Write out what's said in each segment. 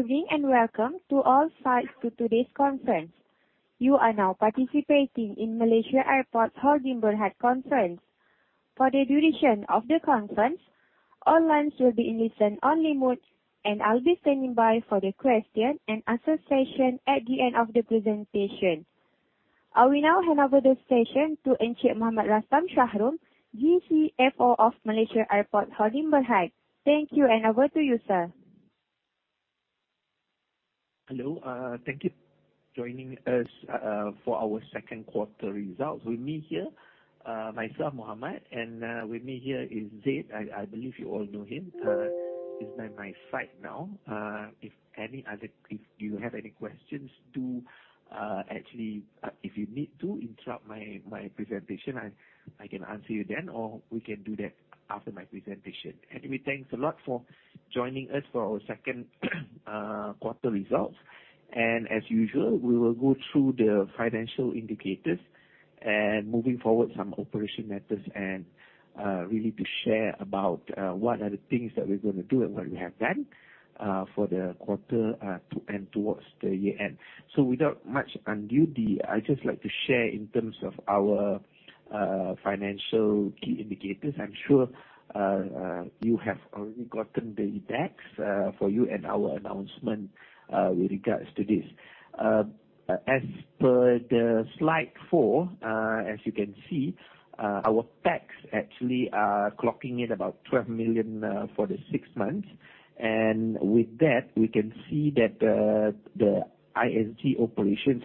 I will now hand over the session to Encik Mohamed Rastam Shahrom, DCFO of Malaysia Airports Holdings Berhad. Thank you, and over to you, sir. Hello. Thank you for joining us for our second quarter results. With me here, myself, Mohamed, and with me here is Zeid. I believe you all know him. He's by my side now. If you have any questions, actually, if you need to interrupt my presentation, I can answer you then, or we can do that after my presentation. Thanks a lot for joining us for our second quarter results. As usual, we will go through the financial indicators and moving forward, some operation matters, and really to share about what are the things that we're going to do and what we have done for the quarter, and towards the year-end. Without much undue delay, I'd just like to share in terms of our financial key indicators. I'm sure you have already gotten the decks for you and our announcement with regards to this. As per the slide four, as you can see, our tax actually are clocking in about 12 million for the six months. With that, we can see that the ISG operations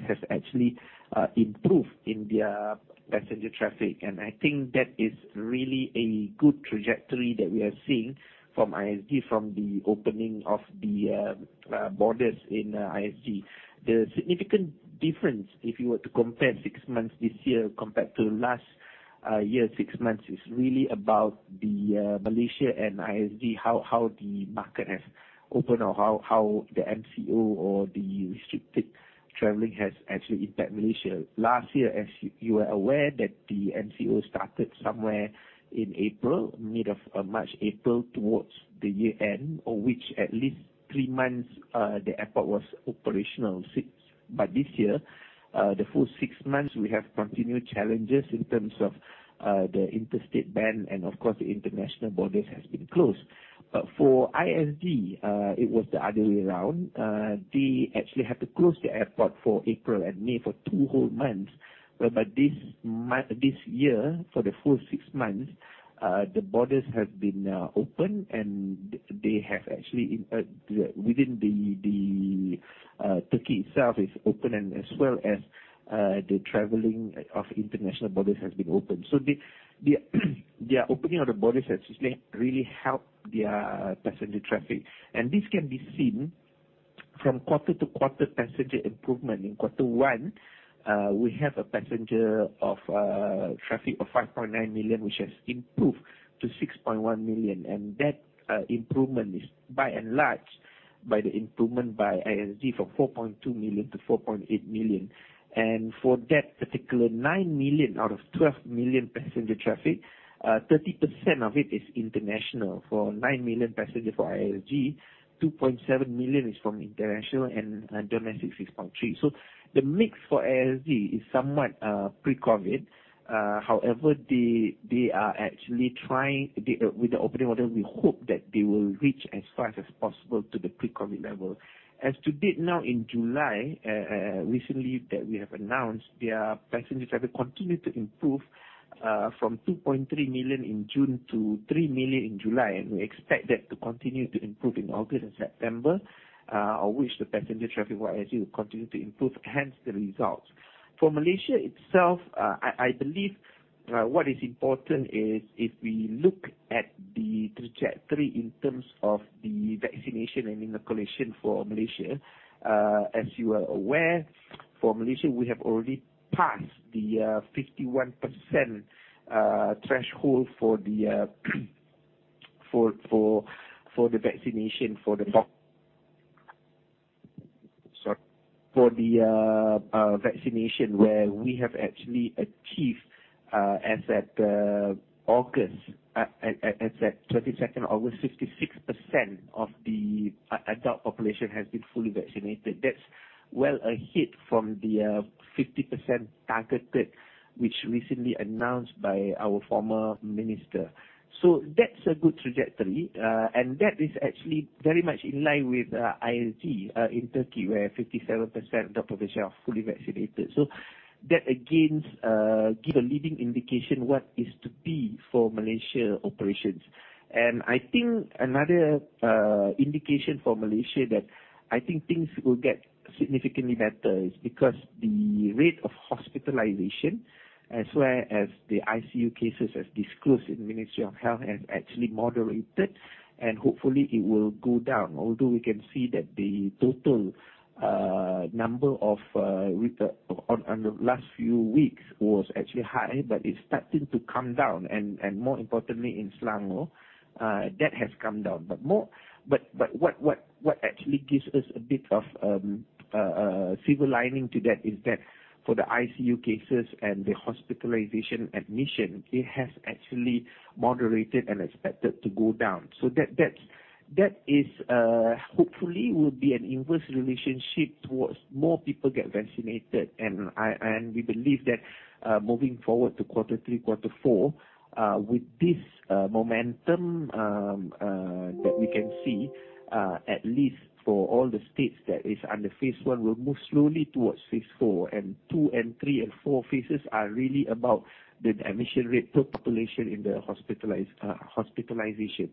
have actually improved in their passenger traffic. I think that is really a good trajectory that we are seeing from ISG from the opening of the borders in ISG. The significant difference, if you were to compare six months this year compared to last year six months, is really about the Malaysia and ISG, how the market has opened, or how the MCO or the restricted traveling has actually impact Malaysia. Last year, as you are aware, that the MCO started somewhere in April, mid-March, April, towards the year-end, which at least three months, the airport was operational. This year, the full six months, we have continued challenges in terms of the interstate ban and of course, the international borders has been closed. For ISG, it was the other way around. They actually had to close the airport for April and May for two whole months. Whereby this year, for the full six months, the borders have been open, and within the Turkey itself is open, and as well as the traveling of international borders has been open. The opening of the borders has just really helped their passenger traffic. This can be seen from quarter-to-quarter passenger improvement. In Q1, we have a passenger traffic of 5.9 million, which has improved to 6.1 million. That improvement is by and large, by the improvement by ISG from 4.2 million to 4.8 million. For that particular nine million out of 12 million passenger traffic, 30% of it is international. For nine million passenger for ISG, 2.7 million is from international and domestic, 6.3. The mix for ISG is somewhat pre-COVID. However, with the opening order, we hope that they will reach as fast as possible to the pre-COVID level. As to date now in July, recently that we have announced, their passenger traffic continued to improve, from 2.3 million in June to three million in July. We expect that to continue to improve in August and September, or which the passenger traffic for ISG will continue to improve, hence the results. For Malaysia itself, I believe what is important is if we look at the trajectory in terms of the vaccination and inoculation for Malaysia. As you are aware, for Malaysia, we have already passed the 51% threshold for the vaccination where we have actually achieved as at 22nd August, 56% of the adult population has been fully vaccinated. That's well ahead from the 50% targeted, which recently announced by our former minister. That is actually very much in line with ISG in Turkey, where 57% of the population are fully vaccinated. That, again, give a leading indication what is to be for Malaysia operations. I think another indication for Malaysia that I think things will get significantly better is because the rate of hospitalization, as well as the ICU cases as disclosed in Ministry of Health, has actually moderated, and hopefully, it will go down. We can see that the total number on the last few weeks was actually high, it's starting to come down, and more importantly in Selangor, that has come down. What actually gives us a bit of a silver lining to that is that for the ICU cases and the hospitalization admission, it has actually moderated and expected to go down. That is hopefully will be an inverse relationship towards more people get vaccinated. We believe that moving forward to quarter three, quarter four, with this momentum that we can see, at least for all the states that is under phase I, will move slowly towards phase IV. II and II and IV phases are really about the admission rate per population in the hospitalization.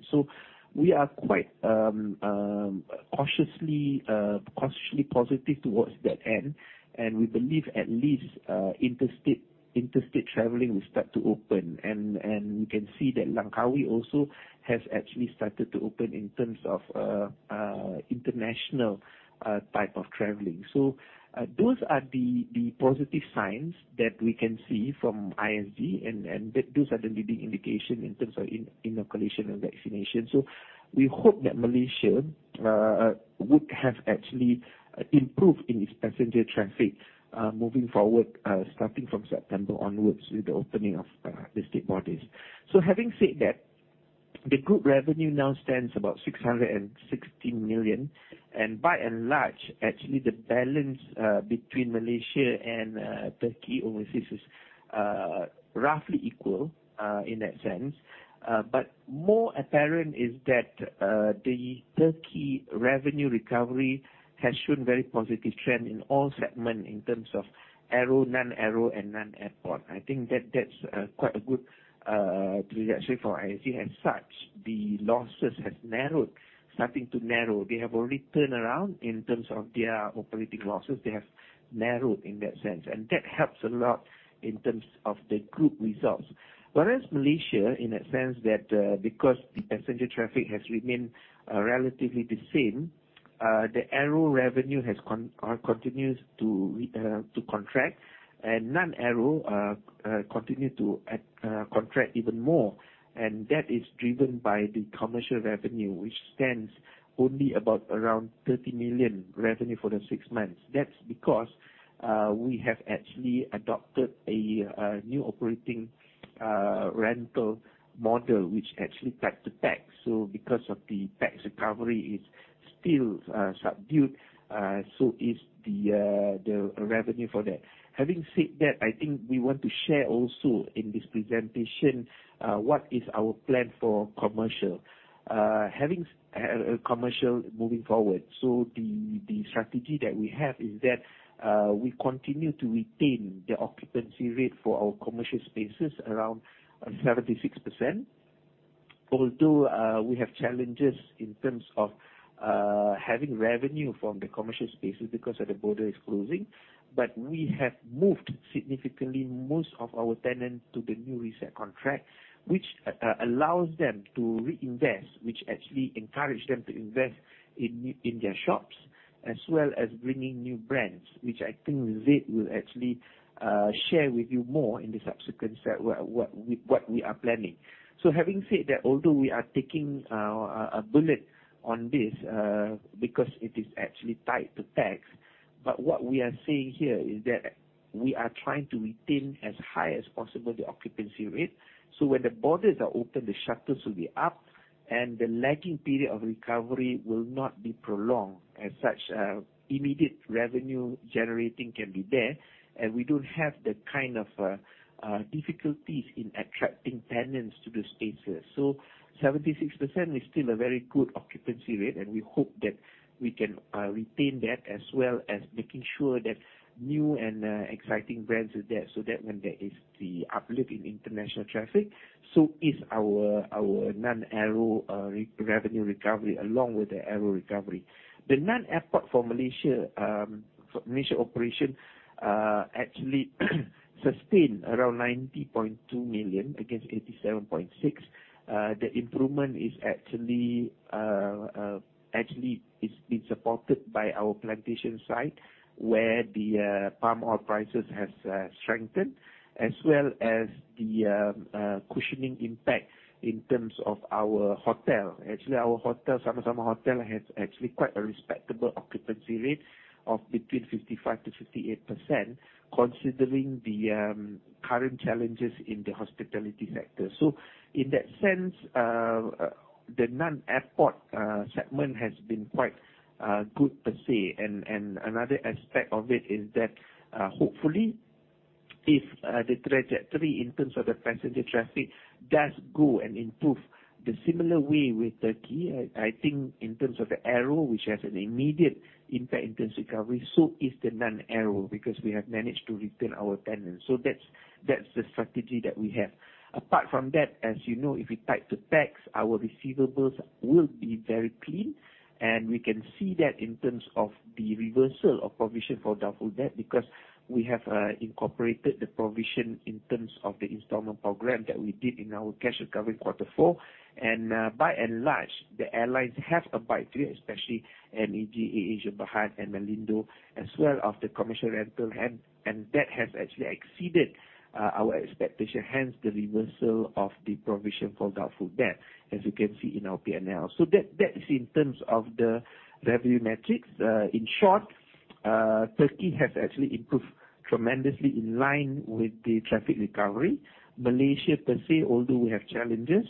We are quite cautiously positive towards that end, and we believe at least interstate traveling will start to open. We can see that Langkawi also has actually started to open in terms of international type of traveling. Those are the positive signs that we can see from ISG, and those are the leading indication in terms of inoculation and vaccination. We hope that Malaysia would have actually improved in its passenger traffic moving forward, starting from September onwards with the opening of the state borders. Having said that, the group revenue now stands about 660 million, and by and large, actually the balance between Malaysia and Turkey overseas is roughly equal in that sense. More apparent is that the Turkey revenue recovery has shown very positive trend in all segment in terms of aero, non-aero and non-airport. I think that's quite a good trajectory for ISG. As such, the losses have narrowed, starting to narrow. They have already turned around in terms of their operating losses. They have narrowed in that sense. That helps a lot in terms of the group results. Malaysia, in a sense, that because the passenger traffic has remained relatively the same, the aero revenue continues to contract. Non-aero continue to contract even more. That is driven by the commercial revenue, which stands only about around 30 million revenue for the six months. That is because we have actually adopted a new operating rental model, which actually tied to pax. Because of the pax recovery is still subdued, so is the revenue for that. Having said that, I think we want to share also in this presentation what is our plan for commercial, having commercial moving forward. The strategy that we have is that we continue to retain the occupancy rate for our commercial spaces around 76%, although we have challenges in terms of having revenue from the commercial spaces because of the border is closing. We have moved significantly most of our tenants to the new reset contract, which allows them to reinvest, which actually encourage them to invest in their shops, as well as bringing new brands, which I think Zeid will actually share with you more in the subsequent set, what we are planning. Having said that, although we are taking a bullet on this because it is actually tied to PAX, but what we are saying here is that we are trying to retain as high as possible the occupancy rate. When the borders are open, the shutters will be up, and the lagging period of recovery will not be prolonged. Immediate revenue generating can be there, and we don't have the kind of difficulties in attracting tenants to the spaces. 76% is still a very good occupancy rate, and we hope that we can retain that, as well as making sure that new and exciting brands are there, so that when there is the uplift in international traffic, so is our non-aero revenue recovery, along with the aero recovery. The non-airport for Malaysia operation actually sustained around 90.2 million against 87.6. The improvement is actually, it's been supported by our plantation side, where the palm oil prices has strengthened, as well as the cushioning impact in terms of our hotel. Actually, our Sama-Sama Hotel has actually quite a respectable occupancy rate of between 55%-58%, considering the current challenges in the hospitality sector. In that sense, the non-airport segment has been quite good per se. Another aspect of it is that, hopefully, if the trajectory in terms of the passenger traffic does go and improve the similar way with Turkey, I think in terms of the aero, which has an immediate impact in terms of recovery, so is the non-aero, because we have managed to retain our tenants. That's the strategy that we have. Apart from that, as you know, if we tied to PAX, our receivables will be very clean. We can see that in terms of the reversal of provision for doubtful debt, because we have incorporated the provision in terms of the installment program that we did in our cash recovery in quarter four. By and large, the airlines have abided, especially MAG, AirAsia Berhad and Malindo, as well as the commercial rental hand. That has actually exceeded our expectation. Hence, the reversal of the provision for doubtful debt, as you can see in our P&L. That is in terms of the revenue metrics. In short, Turkey has actually improved tremendously in line with the traffic recovery. Malaysia per se, although we have challenges,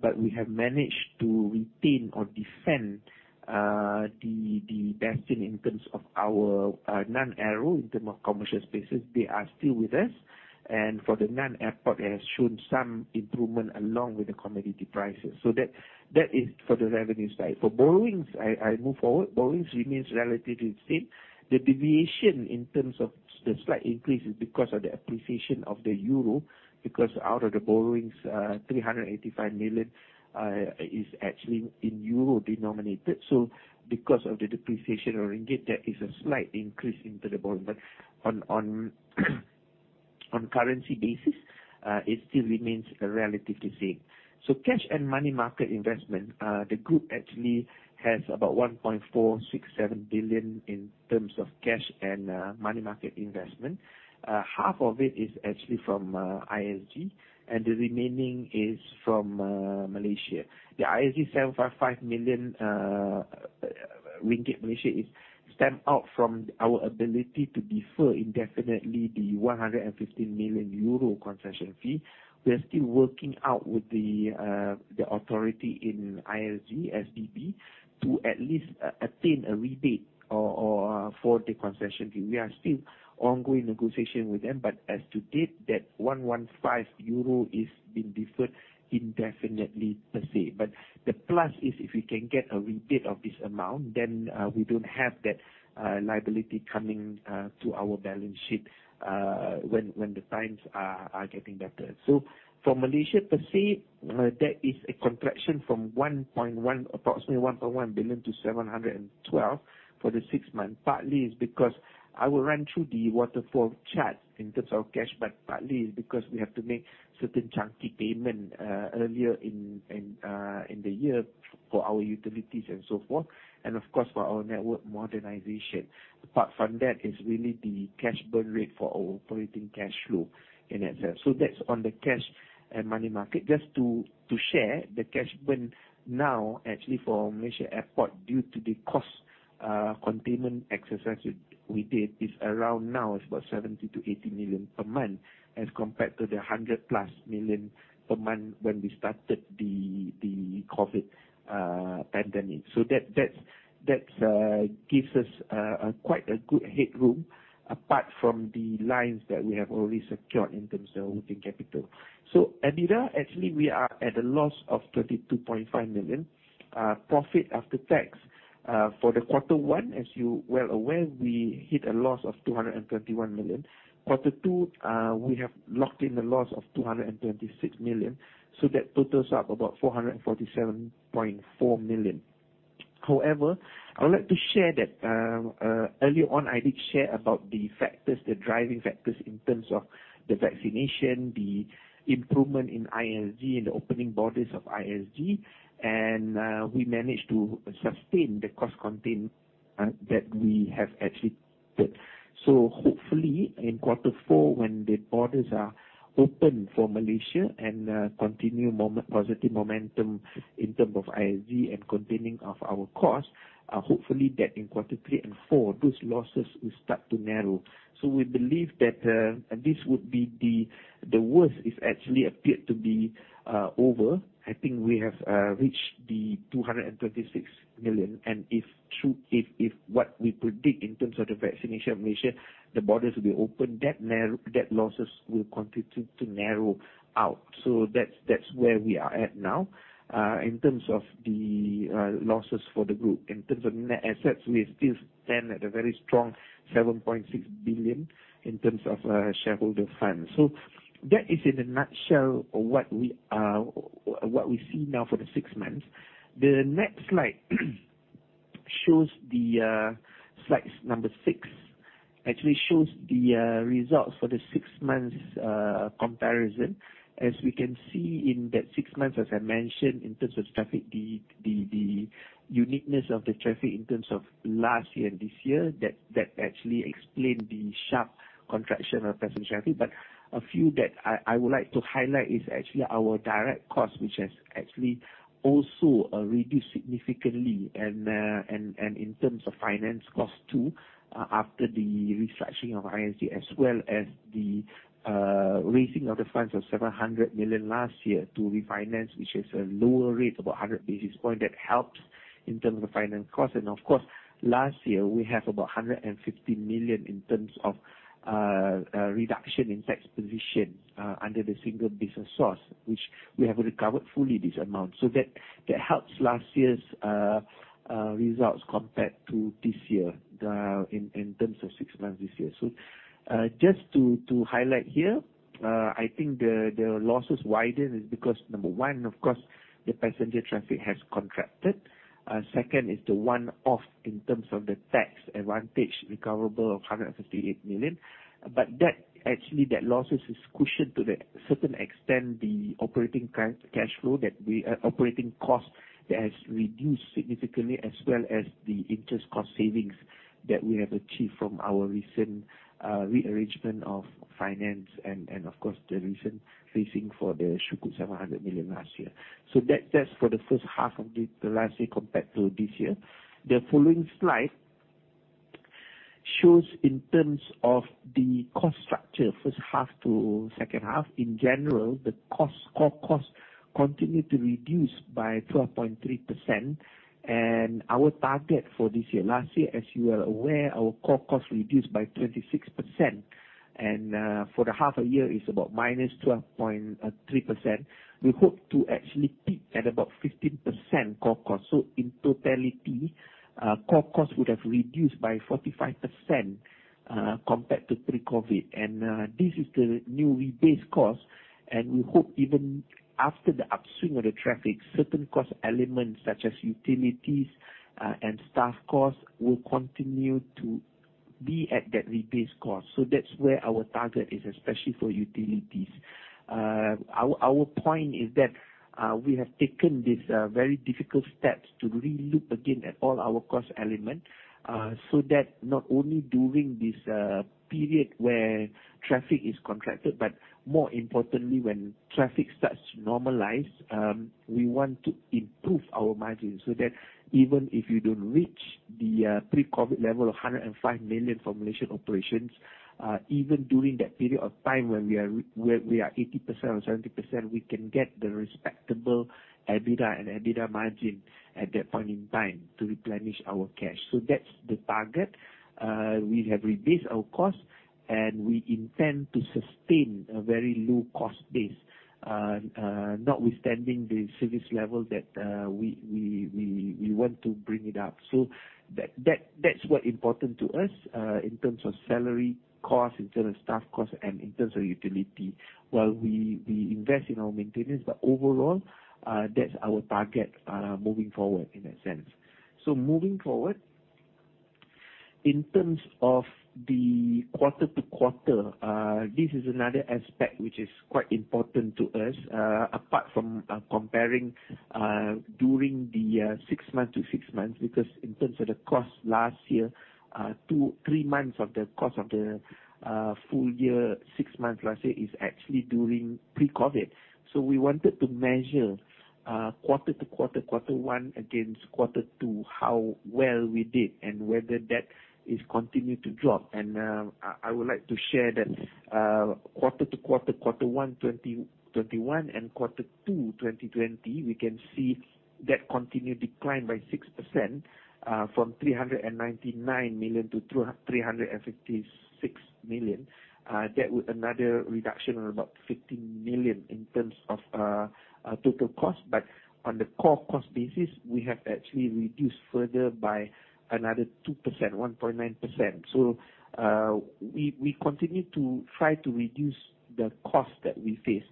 but we have managed to retain or defend the bastion in terms of our non-aero, in term of commercial spaces, they are still with us. For the non-airport, has shown some improvement along with the commodity prices. That is for the revenue side. For borrowings, I move forward. Borrowings remains relatively the same. The deviation in terms of the slight increase is because of the appreciation of the euro, because out of the borrowings, 385 million is actually in euro denominated. Because of the depreciation of ringgit, there is a slight increase into the borrowing. On currency basis, it still remains relatively the same. Cash and money market investment, the group actually has about 1.467 billion in terms of cash and money market investment. Half of it is actually from ISG, and the remaining is from Malaysia. The ISG 755 million ringgit is stamped out from our ability to defer indefinitely the 115 million euro concession fee. We are still working out with the authority in ISG, SSB, to at least attain a rebate for the concession fee. We are still ongoing negotiation with them, as to date, that 115 euro is being deferred indefinitely per se. The plus is if we can get a rebate of this amount, then we don't have that liability coming to our balance sheet when the times are getting better. For Malaysia per se, that is a contraction from approximately 1.1 billion to 712 million for the six months. Partly is because I will run through the waterfall chart in terms of cash, partly is because we have to make certain chunky payment earlier in the year for our utilities and so forth, and of course, for our network modernization. Apart from that is really the cash burn rate for our operating cash flow in itself. That's on the cash and money market. Just to share, the cash burn now actually for Malaysia Airport, due to the cost containment exercise we did, is around now is about 70 million-80 million per month as compared to the 100+ million per month when we started the COVID pandemic. That gives us quite a good headroom apart from the lines that we have already secured in terms of working capital. EBITDA, actually, we are at a loss of 32.5 million. Profit after tax for the quarter one, as you're well aware, we hit a loss of 221 million. Quarter two, we have locked in a loss of 226 million. That totals up about 447.4 million. However, I would like to share that, early on, I did share about the factors, the driving factors in terms of the vaccination, the improvement in ISG, and the opening borders of ISG. We managed to sustain the cost contain. Hopefully, in quarter four, when the borders are open for Malaysia and continue positive momentum in term of ISG and containing of our cost, hopefully that in quarter three and four, those losses will start to narrow. We believe that this would be the worst is actually appeared to be over. I think we have reached the 226 million. If what we predict in terms of the vaccination of Malaysia, the borders will be open, that losses will continue to narrow out. That's where we are at now, in terms of the losses for the group. In terms of net assets, we still stand at a very strong 7.6 billion in terms of shareholder funds. That is in a nutshell what we see now for the six months. The next slide number six, actually shows the results for the six months comparison. We can see in that six months, as I mentioned, in terms of traffic, the uniqueness of the traffic in terms of last year and this year, that actually explained the sharp contraction of passenger traffic. A few that I would like to highlight is actually our direct cost, which has actually also reduced significantly and in terms of finance cost too, after the restructuring of ISG, as well as the raising of the funds of 700 million last year to refinance, which is a lower rate, about 100 basis points. That helps in terms of finance cost. Of course, last year we have about 150 million in terms of reduction in tax position under the single business source, which we have recovered fully this amount. That helps last year's results compared to this year, in terms of six months this year. Just to highlight here, I think the losses widened is because, number one, of course, the passenger traffic has contracted. Second is the one-off in terms of the tax advantage recoverable of 168 million. Actually, that losses is cushioned to the certain extent, the operating cost has reduced significantly, as well as the interest cost savings that we have achieved from our recent rearrangement of finance and of course, the recent raising for the Sukuk 700 million last year. That's for the first half of the last year compared to this year. The following slide shows in terms of the cost structure, first half to second half. In general, the core costs continue to reduce by 12.3%, and our target for this year. Last year, as you are aware, our core cost reduced by 26%. For the half a year is about -12.3%. We hope to actually peak at about 15% core cost. In totality, core cost would have reduced by 45% compared to pre-COVID. This is the new rebase cost. We hope even after the upswing of the traffic, certain cost elements such as utilities and staff costs, will continue to be at that rebase cost. That's where our target is, especially for utilities. Our point is that we have taken these very difficult steps to re-look again at all our cost elements, so that not only during this period where traffic is contracted, but more importantly, when traffic starts to normalize, we want to improve our margin so that even if you don't reach the pre-COVID level of 105 million Malaysian operations, even during that period of time where we are 80% or 70%, we can get the respectable EBITDA and EBITDA margin at that point in time to replenish our cash. That's the target. We have reduced our costs, and we intend to sustain a very low-cost base, notwithstanding the service level that we want to bring it up. That's what important to us, in terms of salary, costs, in terms of staff costs, and in terms of utility, while we invest in our maintenance. Overall, that's our target moving forward in that sense. Moving forward, in terms of the quarter-to-quarter, this is another aspect which is quite important to us, apart from comparing during the six months to six months, because in terms of the cost last year, three months of the cost of the full year, six months last year is actually during pre-COVID. We wanted to measure quarter-to-quarter one against quarter two, how well we did and whether that is continued to drop. I would like to share that quarter-to-quarter, Quarter one 2021 and Quarter two 2020, we can see that continued decline by 6%, from 399 million to 356 million. That was another reduction of about 15 million in terms of total cost. On the core cost basis, we have actually reduced further by another 2%, 1.9%. We continue to try to reduce the cost that we face.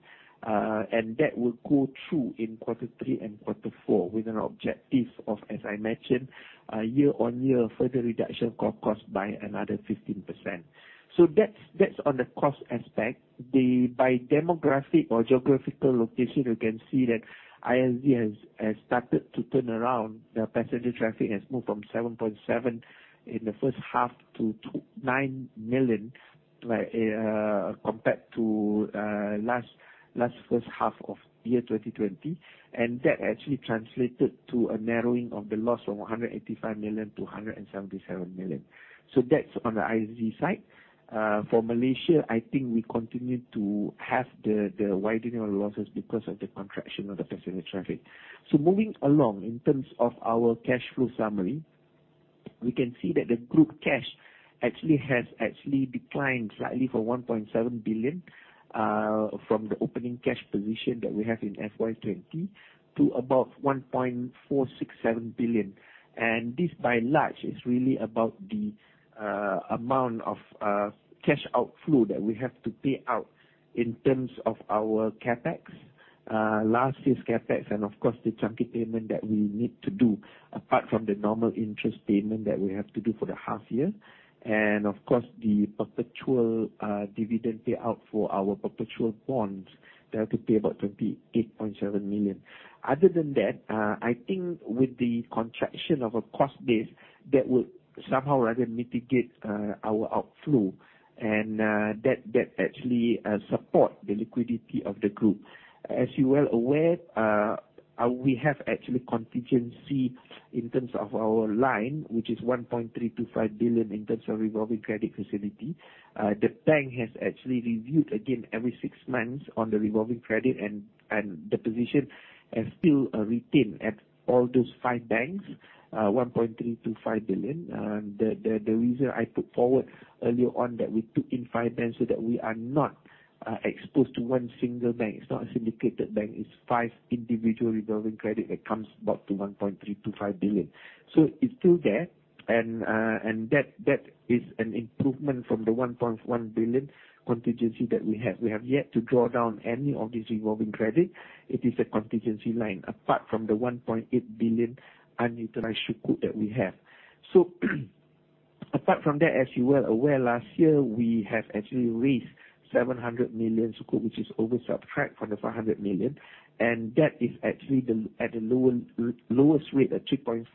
That will go through in quarter three and quarter four, with an objective of, as I mentioned, year-over-year further reduction of core cost by another 15%. That's on the cost aspect. By demographic or geographical location, you can see that ISG has started to turn around. The passenger traffic has moved from 7.7 million in the first half to nine million, compared to last first half of 2020. That actually translated to a narrowing of the loss from 185 million to 177 million. That is on the ISG side. For Malaysia, I think we continue to have the widening of losses because of the contraction of the passenger traffic. Moving along, in terms of our cash flow summary, we can see that the group cash actually declined slightly from 1.7 billion, from the opening cash position that we have in FY 2020 to about 1.467 billion. This by and large, is really about the amount of cash outflow that we have to pay out in terms of our CapEx. Last year's CapEx and of course, the chunky payment that we need to do apart from the normal interest payment that we have to do for the half year. Of course, the perpetual dividend payout for our perpetual bonds that will pay about 38.7 million. Other than that, I think with the contraction of our cost base, that will somehow or other mitigate our outflow. That actually support the liquidity of the group. As you are well aware, we have actually contingency in terms of our line, which is 1.325 billion in terms of revolving credit facility. The bank has actually reviewed again every six months on the revolving credit. The position is still retained at all those five banks, 1.325 billion. The reason I put forward earlier on that we took in five banks so that we are not exposed to one single bank. It is not a syndicated bank. It is five individual revolving credit that comes about to 1.325 billion. It is still there. That is an improvement from the 1.1 billion contingency that we have. We have yet to draw down any of this revolving credit. It is a contingency line apart from the 1.8 billion unutilized Sukuk that we have. Apart from that, as you were aware, last year we have actually raised 700 million Sukuk, which is oversubscribed from the 500 million, and that is actually at the lowest rate at 3.4%,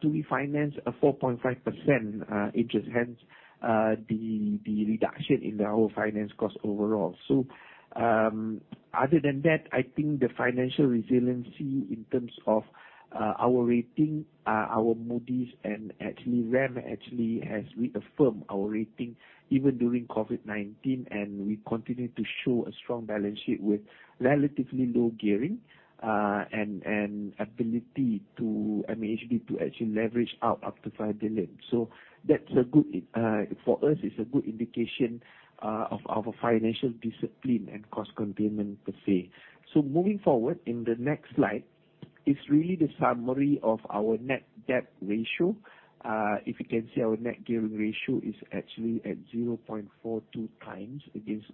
to refinance a 4.5% interest. Hence, the reduction in the whole finance cost overall. Other than that, I think the financial resiliency in terms of our rating, our Moody's and RAM, actually has reaffirmed our rating even during COVID-19, and we continue to show a strong balance sheet with relatively low gearing, and ability to actually leverage up to 5 billion. For us, it's a good indication of our financial discipline and cost containment per se. Moving forward, in the next slide is really the summary of our net debt ratio. If you can see, our net gearing ratio is actually at 0.42x against,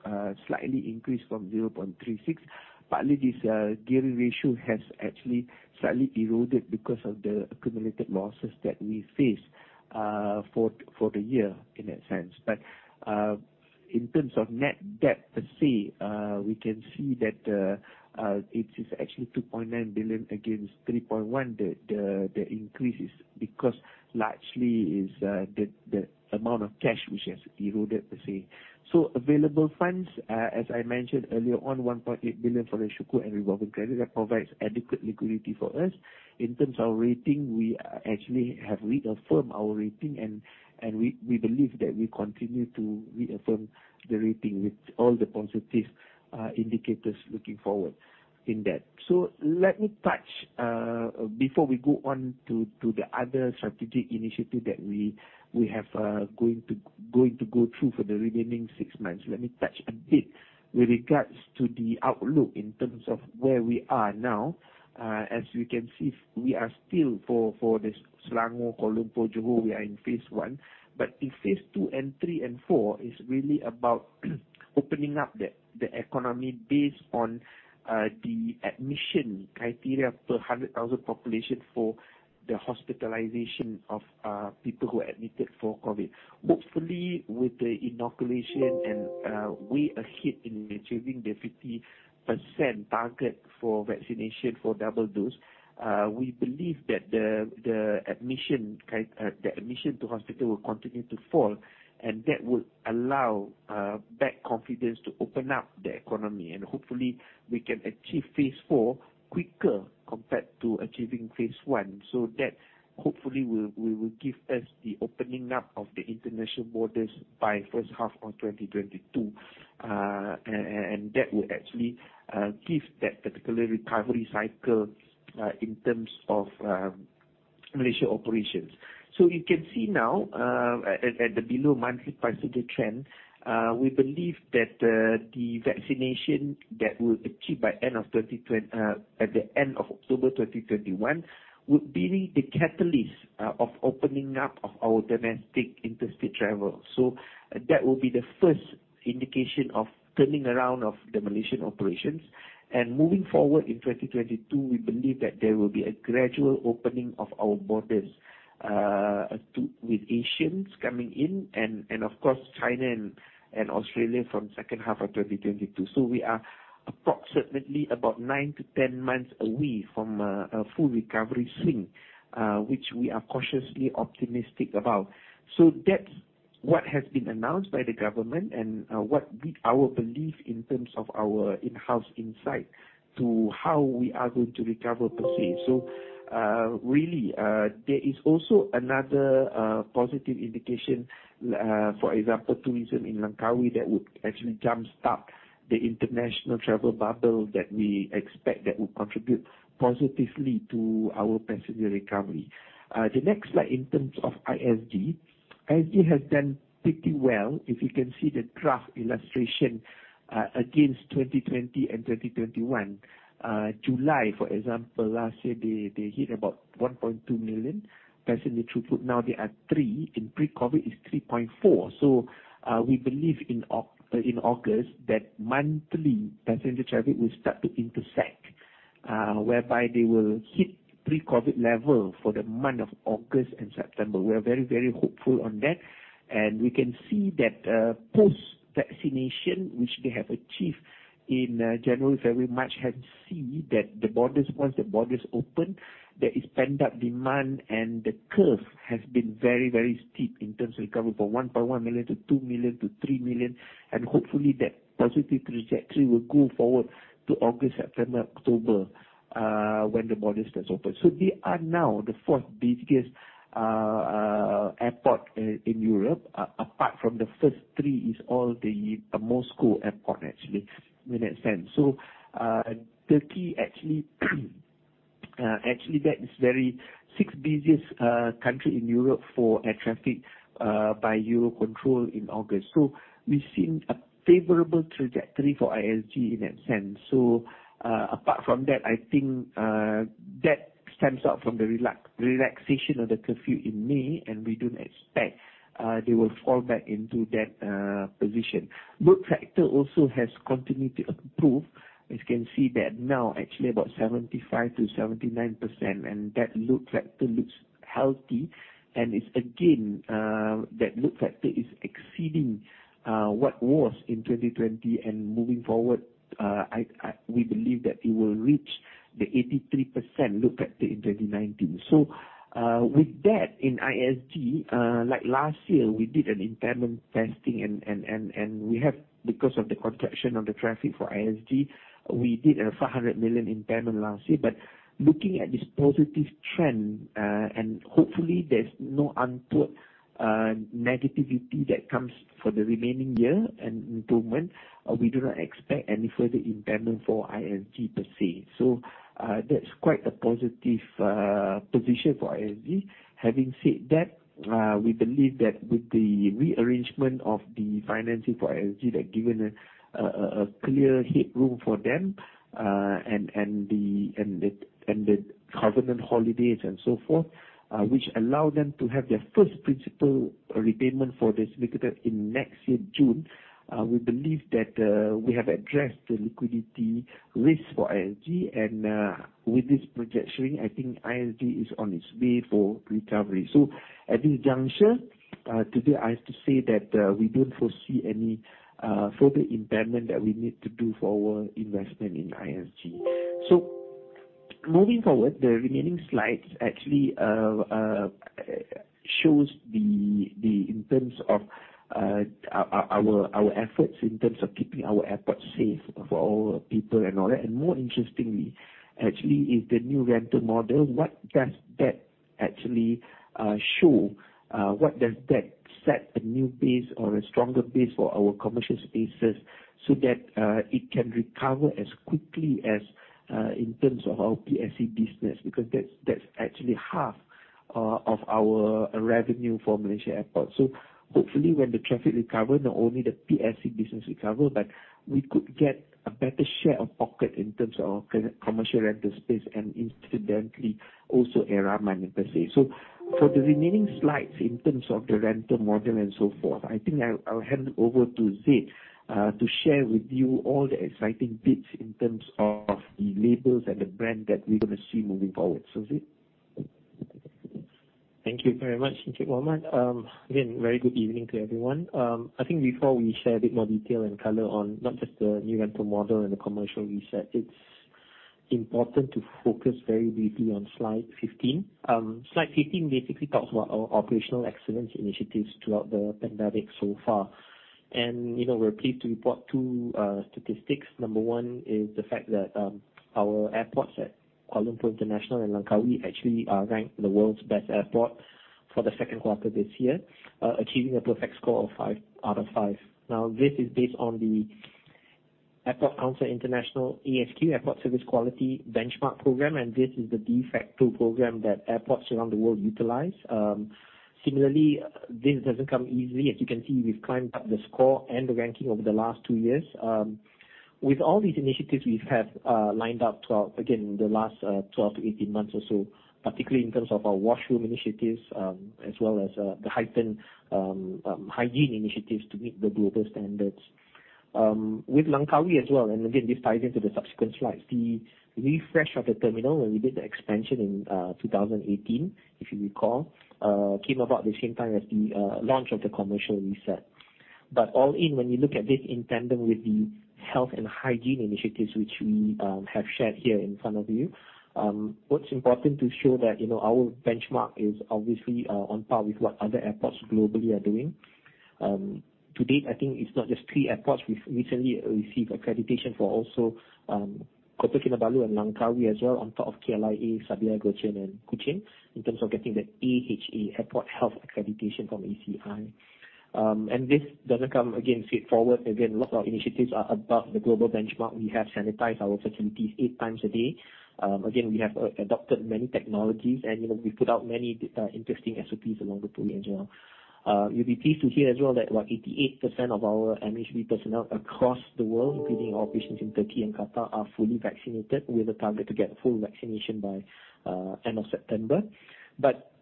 slightly increased from 0.36x. Partly, this gearing ratio has actually slightly eroded because of the accumulated losses that we faced for the year, in that sense. In terms of net debt per se, we can see that it is actually 2.9 billion against 3.1 billion. The increase is because largely is the amount of cash which has eroded per se. Available funds, as I mentioned earlier on, 1.8 billion for the sukuk and revolving credit that provides adequate liquidity for us. In terms of rating, we actually have reaffirmed our rating and we believe that we continue to reaffirm the rating with all the positive indicators looking forward in that. Before we go on to the other strategic initiative that we have, going to go through for the remaining six months, let me touch a bit with regards to the outlook in terms of where we are now. As you can see, we are still for this Selangor, Kuala Lumpur, Johor, we are in phase I, but in phase II and III and IV is really about opening up the economy based on the admission criteria per 100,000 population for the hospitalization of people who are admitted for COVID. Hopefully, with the inoculation and we are ahead in achieving the 50% target for vaccination for double dose. We believe that the admission to hospital will continue to fall, and that will allow back confidence to open up the economy, and hopefully we can achieve phase IV quicker compared to achieving phase I. That hopefully will give us the opening up of the international borders by first half of 2022. That will actually give that particular recovery cycle, in terms of Malaysia operations. You can see now, at the below monthly passenger trend, we believe that the vaccination that we will achieve at the end of October 2021, would be the catalyst of opening up of our domestic interstate travel. That will be the first indication of turning around of the Malaysian operations. Moving forward in 2022, we believe that there will be a gradual opening of our borders with Asians coming in and, of course, China and Australia from second half of 2022. We are approximately about 9 to 10 months away from a full recovery swing, which we are cautiously optimistic about. That's what has been announced by the government and what our belief in terms of our in-house insight to how we are going to recover per se. Really, there is also another positive indication, for example, tourism in Langkawi that would actually jumpstart the international travel bubble that we expect that would contribute positively to our passenger recovery. The next slide in terms of ISG. ISG has done pretty well. If you can see the graph illustration against 2020 and 2021. July, for example, last year, they hit about 1.2 million passenger throughput. Now they are three. In pre-COVID is 3.4. We believe in August that monthly passenger traffic will start to intersect, whereby they will hit pre-COVID level for the month of August and September. We are very, very hopeful on that. We can see that post-vaccination, which they have achieved in January, February, March, have seen that once the borders open, there is pent-up demand and the curve has been very, very steep in terms of recovery. From 1.1 million to two million to three million, hopefully that positive trajectory will go forward to August, September, October, when the borders has opened. They are now the fourth busiest airport in Europe, apart from the first three is all the Moscow airport actually, in that sense. Turkey, actually that is very sixth busiest country in Europe for air traffic by Eurocontrol in August. We've seen a favorable trajectory for ISG in that sense. Apart from that, I think, that stems out from the relaxation of the curfew in May. We do not expect they will fall back into that position. Load factor also has continued to improve. As you can see that now, actually about 75%-79%. That load factor looks healthy and is again exceeding what was in 2020. Moving forward, we believe that it will reach the 83% looked at in 2019. With that in ISG, like last year, we did an impairment testing. We have, because of the contraction of the traffic for ISG, we did a 400 million impairment last year. Looking at this positive trend, hopefully there's no untold negativity that comes for the remaining year and improvement, we do not expect any further impairment for ISG per se. That's quite a positive position for ISG. Having said that, we believe that with the rearrangement of the financing for ISG, that given a clear headroom for them, and the covenant holidays and so forth, which allow them to have their first principal repayment for this quarter in next year, June. We believe that, we have addressed the liquidity risk for ISG and, with this projection, I think ISG is on its way for recovery. At this juncture, today, I have to say that we don't foresee any further impairment that we need to do for our investment in ISG. Moving forward, the remaining slides actually shows in terms of our efforts in terms of keeping our airport safe for all people and all that. More interestingly, actually, is the new rental model. What does that actually show? What does that set a new base or a stronger base for our commercial spaces so that it can recover as quickly as, in terms of our PSC business, because that's actually half of our revenue for Malaysia Airports. Hopefully when the traffic recover, not only the PSC business recover, but we could get a better share of pocket in terms of commercial rental space and incidentally also per se. For the remaining slides in terms of the rental model and so forth, I think I'll hand over to Zeid, to share with you all the exciting bits in terms of the labels and the brand that we're going to see moving forward. Zeid. Thank you very much, Encik Mohamed. Very good evening to everyone. I think before we share a bit more detail and color on not just the new rental model and the commercial reset, it's important to focus very briefly on slide 15. Slide 15 basically talks about our operational excellence initiatives throughout the pandemic so far. We're pleased to report two statistics. Number one is the fact that our airports at Kuala Lumpur International and Langkawi actually are ranked the world's best airport for the second quarter this year, achieving a perfect score of five out of five. This is based on the Airports Council International, ASQ, Airport Service Quality benchmark program, and this is the de facto program that airports around the world utilize. This doesn't come easily. As you can see, we've climbed up the score and the ranking over the last two years. With all these initiatives we have lined up throughout, again, the last 12-18 months or so, particularly in terms of our washroom initiatives, as well as, the heightened hygiene initiatives to meet the global standards. With Langkawi as well, Again, this ties into the subsequent slides, the refresh of the terminal when we did the expansion in 2018, if you recall, came about the same time as the launch of the commercial reset. All in, when you look at this in tandem with the health and hygiene initiatives, which we have shared here in front of you, what is important to show that our benchmark is obviously on par with what other airports globally are doing. To date, I think it is not just three airports. We've recently received accreditation for also, Kota Kinabalu and Langkawi as well on top of KLIA, Sabiha Gökçen, and Kuching, in terms of getting the AHA, Airport Health Accreditation from ACI. This doesn't come, again, straightforward. A lot of our initiatives are above the global benchmark. We have sanitized our facilities eight times a day. We have adopted many technologies, and we put out many interesting SOPs along the pool as well. You'll be pleased to hear as well that about 88% of our MAHB personnel across the world, including our operations in Turkey and Qatar, are fully vaccinated with a target to get full vaccination by end of September.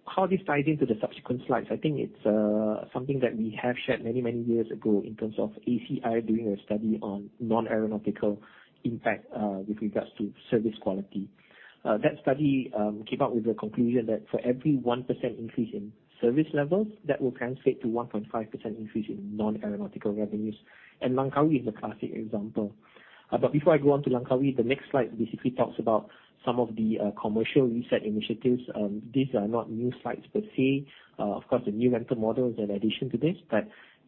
How this ties into the subsequent slides, I think it's something that we have shared many years ago in terms of ACI doing a study on non-aeronautical impact, with regards to service quality. That study came up with the conclusion that for every 1% increase in service levels, that will translate to 1.5% increase in non-aeronautical revenues. Langkawi is a classic example. Before I go on to Langkawi, the next slide basically talks about some of the commercial reset initiatives. These are not new slides per se. Of course, the new rental model is an addition to this.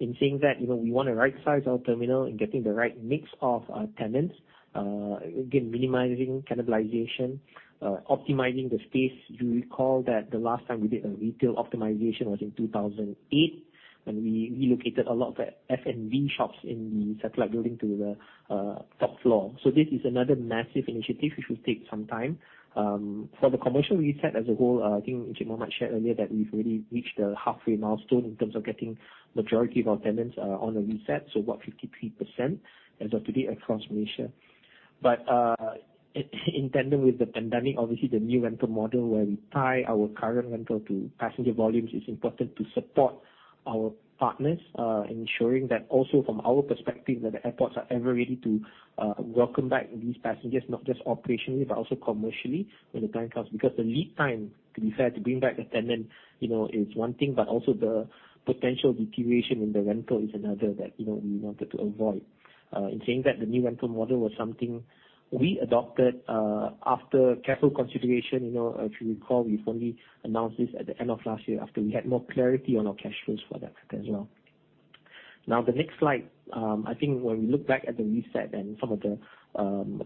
In saying that, we want to right-size our terminal and getting the right mix of our tenants, again, minimizing cannibalization, optimizing the space. You recall that the last time we did a retail optimization was in 2008 when we relocated a lot of the F&B shops in the satellite building to the top floor. This is another massive initiative which will take some time. For the commercial reset as a whole, I think Encik Mohamed shared earlier that we've already reached the halfway milestone in terms of getting majority of our tenants on the reset, so about 53% as of today across Malaysia. In tandem with the pandemic, obviously the new rental model where we tie our current rental to passenger volumes is important to support our partners, ensuring that also from our perspective, that the airports are ever ready to welcome back these passengers, not just operationally, but also commercially when the time comes. The lead time to be fair, to bring back the tenant is one thing, but also the potential deterioration in the rental is another that we wanted to avoid. In saying that, the new rental model was something we adopted after careful consideration. If you recall, we formally announced this at the end of last year after we had more clarity on our cash flows for that quarter as well. Now, the next slide. I think when we look back at the reset and some of the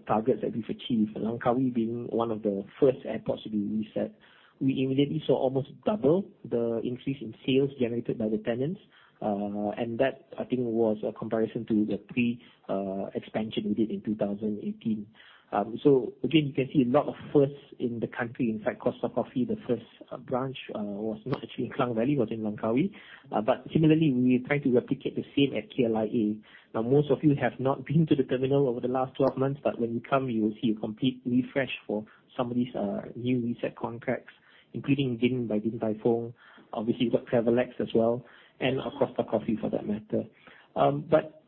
targets that we've achieved, Langkawi being one of the first airports to be reset, we immediately saw almost double the increase in sales generated by the tenants. That, I think, was a comparison to the pre-expansion we did in 2018. Again, you can see a lot of firsts in the country. In fact, Costa Coffee, the first branch was not actually in Klang Valley, was in Langkawi. Similarly, we tried to replicate the same at KLIA. Most of you have not been to the terminal over the last 12 months, but when you come, you will see a complete refresh for some of these new reset contracts, including Din by Din Tai Fung. You've got Travelex as well, and of Costa Coffee, for that matter.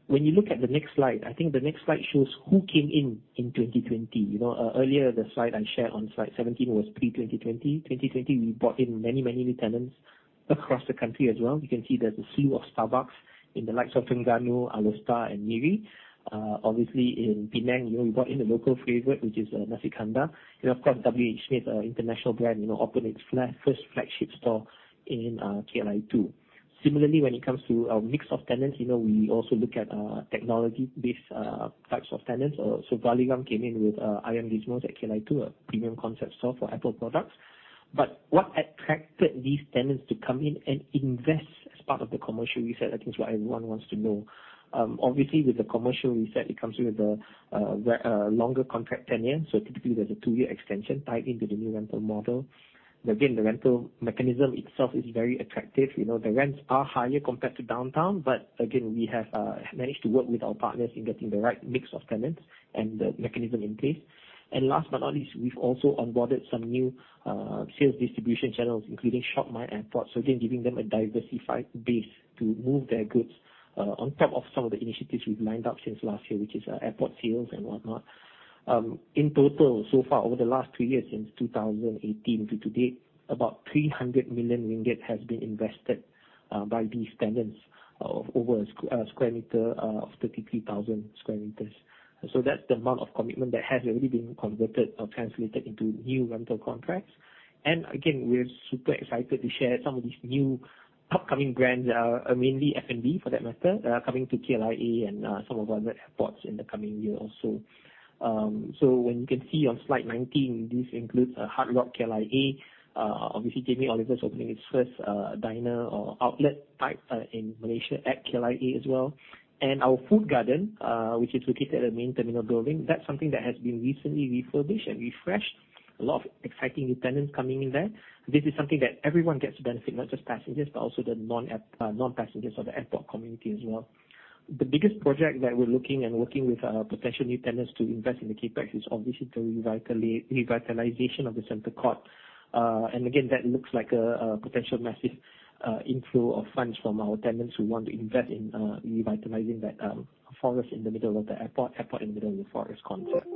When you look at the next slide, I think the next slide shows who came in in 2020. Earlier, the slide I shared on slide 17 was pre-2020. 2020, we brought in many new tenants across the country as well. You can see there's a slew of Starbucks in the likes of Terengganu, Alor Setar, and Miri. In Penang, we brought in a local favorite, which is Nasi Kandar, and of course, WHSmith, an international brand, opened its first flagship store in KLIA 2. Similarly, when it comes to our mix of tenants, we also look at technology-based types of tenants. Valiram came in with Ian Gizot at KLIA 2, a premium concept store for Apple products. What attracted these tenants to come in and invest as part of the commercial reset, I think is what everyone wants to know. Obviously, with the commercial reset, it comes with a longer contract tenure. Typically, there's a two-year extension tied into the new rental model. The rental mechanism itself is very attractive. The rents are higher compared to downtown. We have managed to work with our partners in getting the right mix of tenants and the mechanism in place. Last but not least, we've also onboarded some new sales distribution channels, including shopMYairports. Again, giving them a diversified base to move their goods on top of some of the initiatives we've lined up since last year, which is airport sales and whatnot. In total, so far over the last two years since 2018 to date, about 300 million ringgit has been invested by these tenants of over a square meter of 33,000 sq m. Again, we're super excited to share some of these new upcoming brands that are mainly F&B, for that matter, coming to KLIA and some of our other airports in the coming year also. When you can see on slide 19, this includes Hard Rock KLIA. Obviously, Jamie Oliver is opening its first diner or outlet type in Malaysia at KLIA as well. Our food garden which is located at the main terminal building, that's something that has been recently refurbished and refreshed. Alot of exciting new tenants coming in there. This is something that everyone gets to benefit, not just passengers, but also the non-passengers of the airport community as well. The biggest project that we're looking and working with potential new tenants to invest in the CapEx is obviously the revitalization of the center court. Again, that looks like a potential massive inflow of funds from our tenants who want to invest in revitalizing that forest in the middle of the airport in the middle of the forest concept.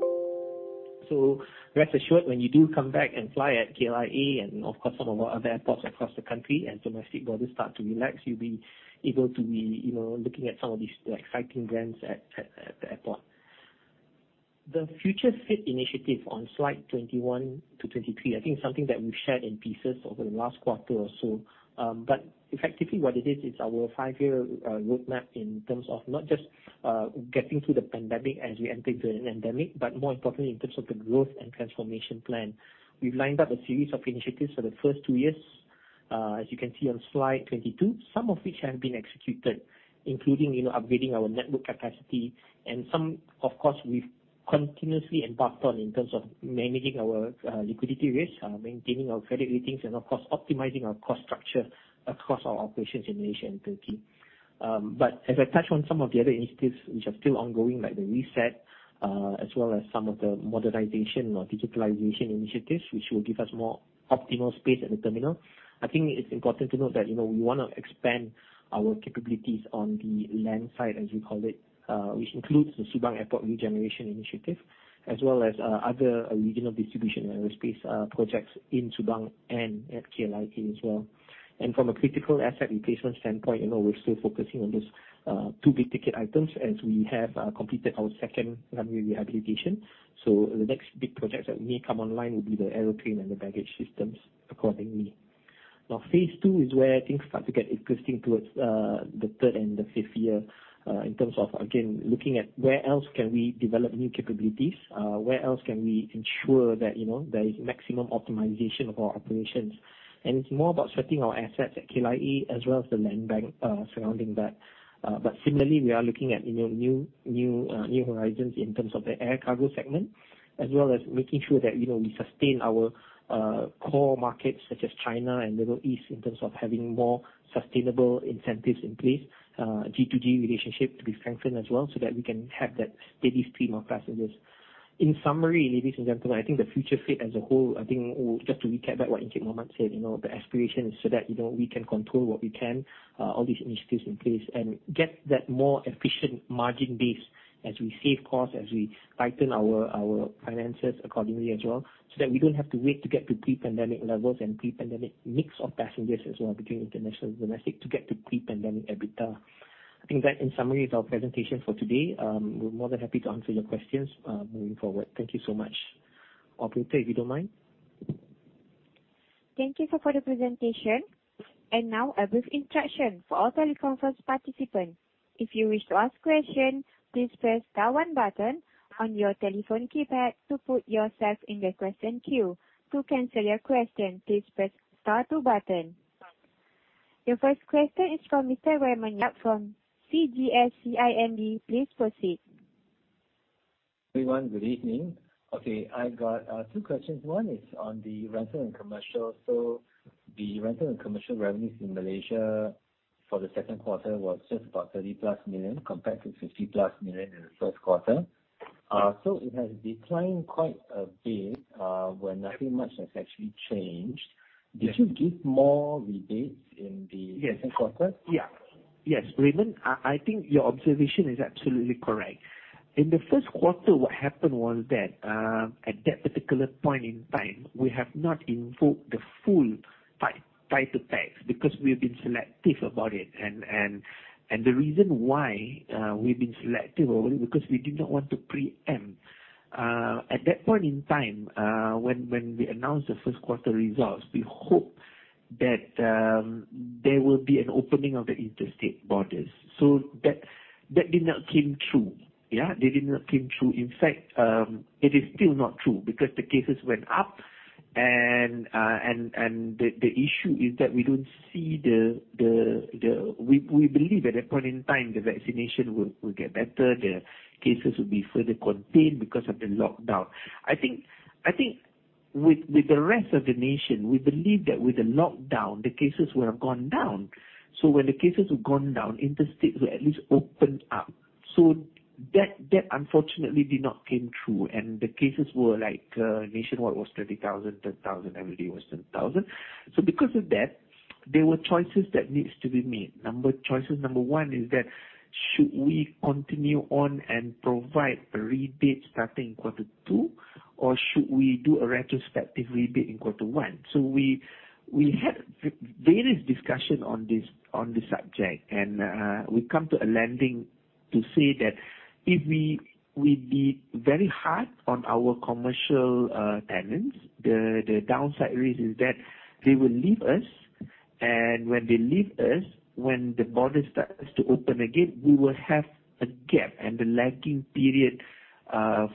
Rest assured, when you do come back and fly at KLIA, and of course, some of our other airports across the country and domestic borders start to relax, you'll be able to be looking at some of these exciting brands at the airport. The Future F.I.T. initiative on slide 21-23, I think is something that we've shared in pieces over the last quarter or so. Effectively, what it is is our five-year roadmap in terms of not just getting through the pandemic as we enter into an endemic, but more importantly, in terms of the growth and transformation plan. We've lined up a series of initiatives for the first two years. As you can see on slide 22, some of which have been executed, including upgrading our network capacity and some, of course, we've continuously embarked on in terms of managing our liquidity risk, maintaining our credit ratings, and of course, optimizing our cost structure across our operations in Malaysia and Turkey. As I touch on some of the other initiatives which are still ongoing, like the reset, as well as some of the modernization or digitalization initiatives, which will give us more optimal space at the terminal. I think it's important to note that we want to expand our capabilities on the land side, as we call it, which includes the Subang Airport Regeneration Plan, as well as other regional distribution aerospace projects in Subang and at KLIA as well. From a critical asset replacement standpoint, we're still focusing on those two big-ticket items as we have completed our second runway rehabilitation. The next big projects that may come online will be the Aerotrain and the baggage systems accordingly. Now, phase II is where things start to get interesting towards the third and the fifth year. In terms of, again, looking at where else can we develop new capabilities, where else can we ensure that there is maximum optimization of our operations. It's more about sweating our assets at KLIA as well as the land bank surrounding that. Similarly, we are looking at new horizons in terms of the air cargo segment, as well as making sure that we sustain our core markets such as China and Middle East in terms of having more sustainable incentives in place. G2G relationship to be strengthened as well, so that we can have that steady stream of passengers. In summary, ladies and gentlemen, I think the Future F.I.T. as a whole, I think just to recap back what Encik Mohamad said, the aspiration is so that we can control what we can, all these initiatives in place, and get that more efficient margin base as we save costs, as we tighten our finances accordingly as well, so that we don't have to wait to get to pre-pandemic levels and pre-pandemic mix of passengers as well between international and domestic to get to pre-pandemic EBITDA. I think that, in summary, is our presentation for today. We're more than happy to answer your questions moving forward. Thank you so much. Operator, if you don't mind. Thank you, sir, for the presentation. Now a brief introduction for all teleconference participants. If you wish to ask question, please press star one button on your telephone keypad to put yourself in the question queue. To cancel your question, please press star two button. Your first question is from Mr. Raymond Yap from CGS-CIMB. Please proceed. Everyone, good evening. Okay, I got two questions. One is on the rental and commercial. The rental and commercial revenues in Malaysia for the second quarter was just about 30+ million, compared to 50+ million in the first quarter. It has declined quite a bit, where nothing much has actually changed. Did you give more rebates in the- Yes second quarter? Yes, Raymond, I think your observation is absolutely correct. In the first quarter, what happened was that, at that particular point in time, we have not invoked the full tied to PAX because we have been selective about it. The reason why we've been selective about it, because we did not want to preempt. At that point in time, when we announced the first quarter results, we hope that there will be an opening of the interstate borders. That did not came true. That did not came true. In fact, it is still not true because the cases went up and the issue is that. We believe at that point in time, the vaccination will get better, the cases will be further contained because of the lockdown. I think with the rest of the nation, we believe that with the lockdown, the cases would have gone down. When the cases would gone down, interstate will at least open up. That unfortunately did not came true, and the cases were like, nationwide was 30,000, 10,000, every day was 10,000. Because of that, there were choices that needs to be made. Choices number one is that, should we continue on and provide a rebate starting quarter two, or should we do a retrospective rebate in quarter one? We had various discussion on this subject, and we come to a landing to say that if we be very hard on our commercial tenants, the downside risk is that they will leave us, and when they leave us, when the border starts to open again, we will have a gap and the lagging period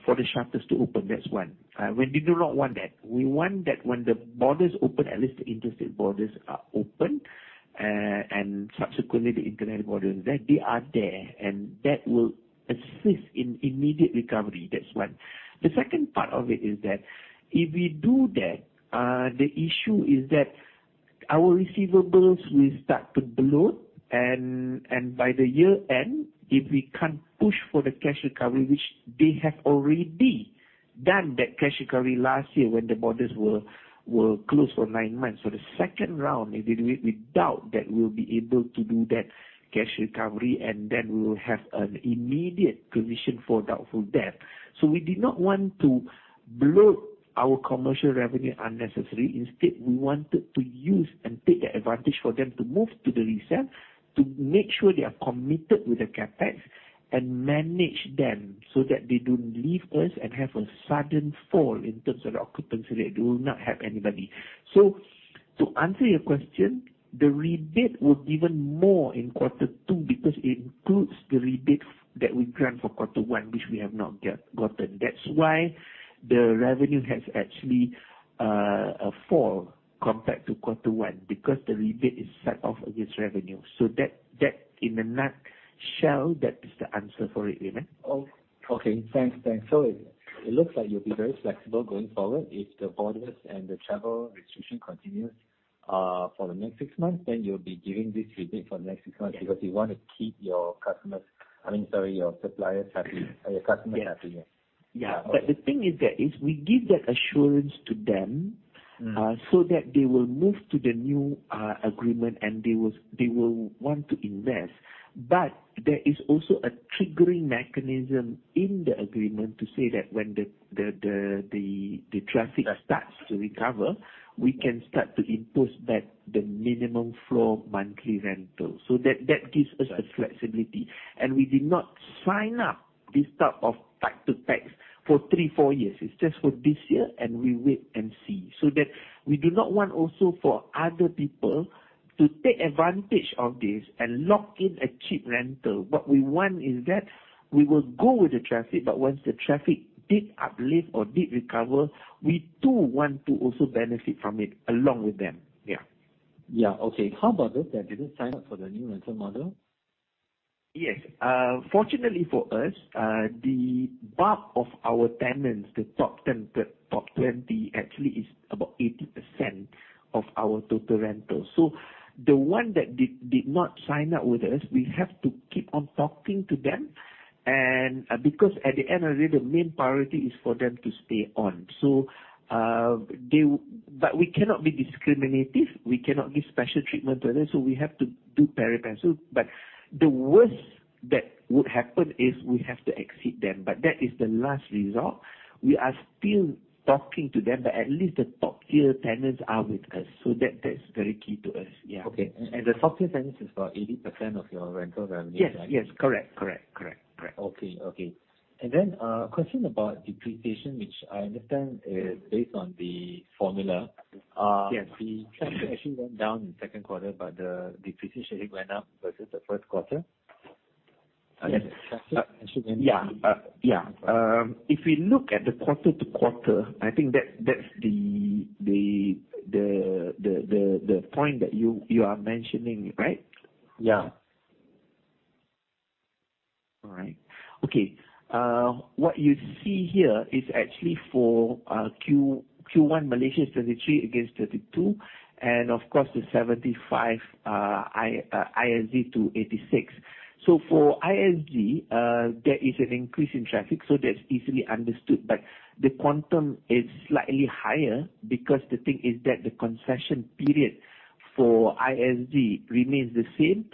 for the shutters to open. That's one. We do not want that. We want that when the borders open, at least the interstate borders are open, and subsequently the international border, that they are there, and that will assist in immediate recovery. That's one. The second part of it is that, if we do that, the issue is that our receivables will start to bloat, and by the year-end, if we can't push for the cash recovery, which they have already done that cash recovery last year when the borders were closed for nine months. The second round, we doubt that we'll be able to do that cash recovery, and then we will have an immediate provision for doubtful debt. We did not want to bloat our commercial revenue unnecessarily. Instead, we wanted to use and take the advantage for them to move to the leaseout, to make sure they are committed with the CapEx and manage them so that they don't leave us and have a sudden fall in terms of the occupancy rate. We will not have anybody. To answer your question, the rebate was even more in quarter two because it includes the rebate that we grant for quarter one, which we have not yet gotten. That's why the revenue has actually fall compared to quarter one, because the rebate is set off against revenue. That, in a nutshell, that is the answer for it, Raymond. Okay. Thanks. It looks like you'll be very flexible going forward. If the borders and the travel restriction continues for the next six months, you'll be giving this rebate for the next six months because you want to keep your customers, I mean, sorry, your suppliers happy or your customers happy. Yeah. Yeah. The thing is that, is we give that assurance to them. That they will move to the new agreement and they will want to invest. There is also a triggering mechanism in the agreement to say that when the traffic. Yeah starts to recover, we can start to impose back the minimum floor monthly rental. That gives us- Right the flexibility. We did not sign up this type of tied to PAX for three, four years. It's just for this year, and we wait and see. We do not want also for other people to take advantage of this and lock in a cheap rental. What we want is that we will go with the traffic, but once the traffic did uplift or did recover, we too want to also benefit from it along with them. Yeah. Yeah. Okay. How about those that didn't sign up for the new rental model? Yes. Fortunately for us, the bulk of our tenants, the top 10 to top 20, actually is about 80% of our total rental. The one that did not sign up with us, we have to keep on talking to them and because at the end of the day, the main priority is for them to stay on. We cannot be discriminative. We cannot give special treatment to them, so we have to do pari passu. The worst that would happen is we have to exit them, but that is the last resort. We are still talking to them, but at least the top-tier tenants are with us. That's very key to us. Yeah. Okay. The top-tier tenants is about 80% of your rental revenue, right? Yes. Correct. Okay. A question about depreciation, which I understand is based on the formula. Yes. The traffic actually went down in the second quarter, but the depreciation went up versus the first quarter. Yes. If we look at the quarter-over-quarter, I think that's the point that you are mentioning, right? Yeah. All right. Okay. What you see here is actually for Q1, Malaysia is 33 against 32, and of course, the 75 ISG to 86. For ISG, there is an increase in traffic, so that's easily understood. The quantum is slightly higher because the thing is that the concession period for ISG remains the same.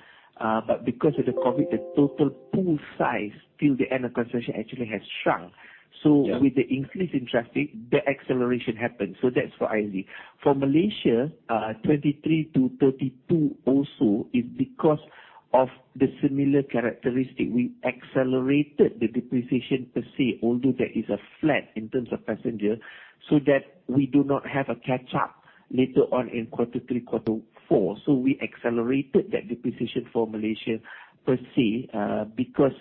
Because of the COVID, the total pool size till the end of concession actually has shrunk. Yeah. With the increase in traffic, the acceleration happened. That's for ISG. For Malaysia, 23 to 32 also is because of the similar characteristic. We accelerated the depreciation per se, although there is a flat in terms of passenger, so that we do not have a catch-up later on in quarter three, quarter four. We accelerated that depreciation for Malaysia per se, because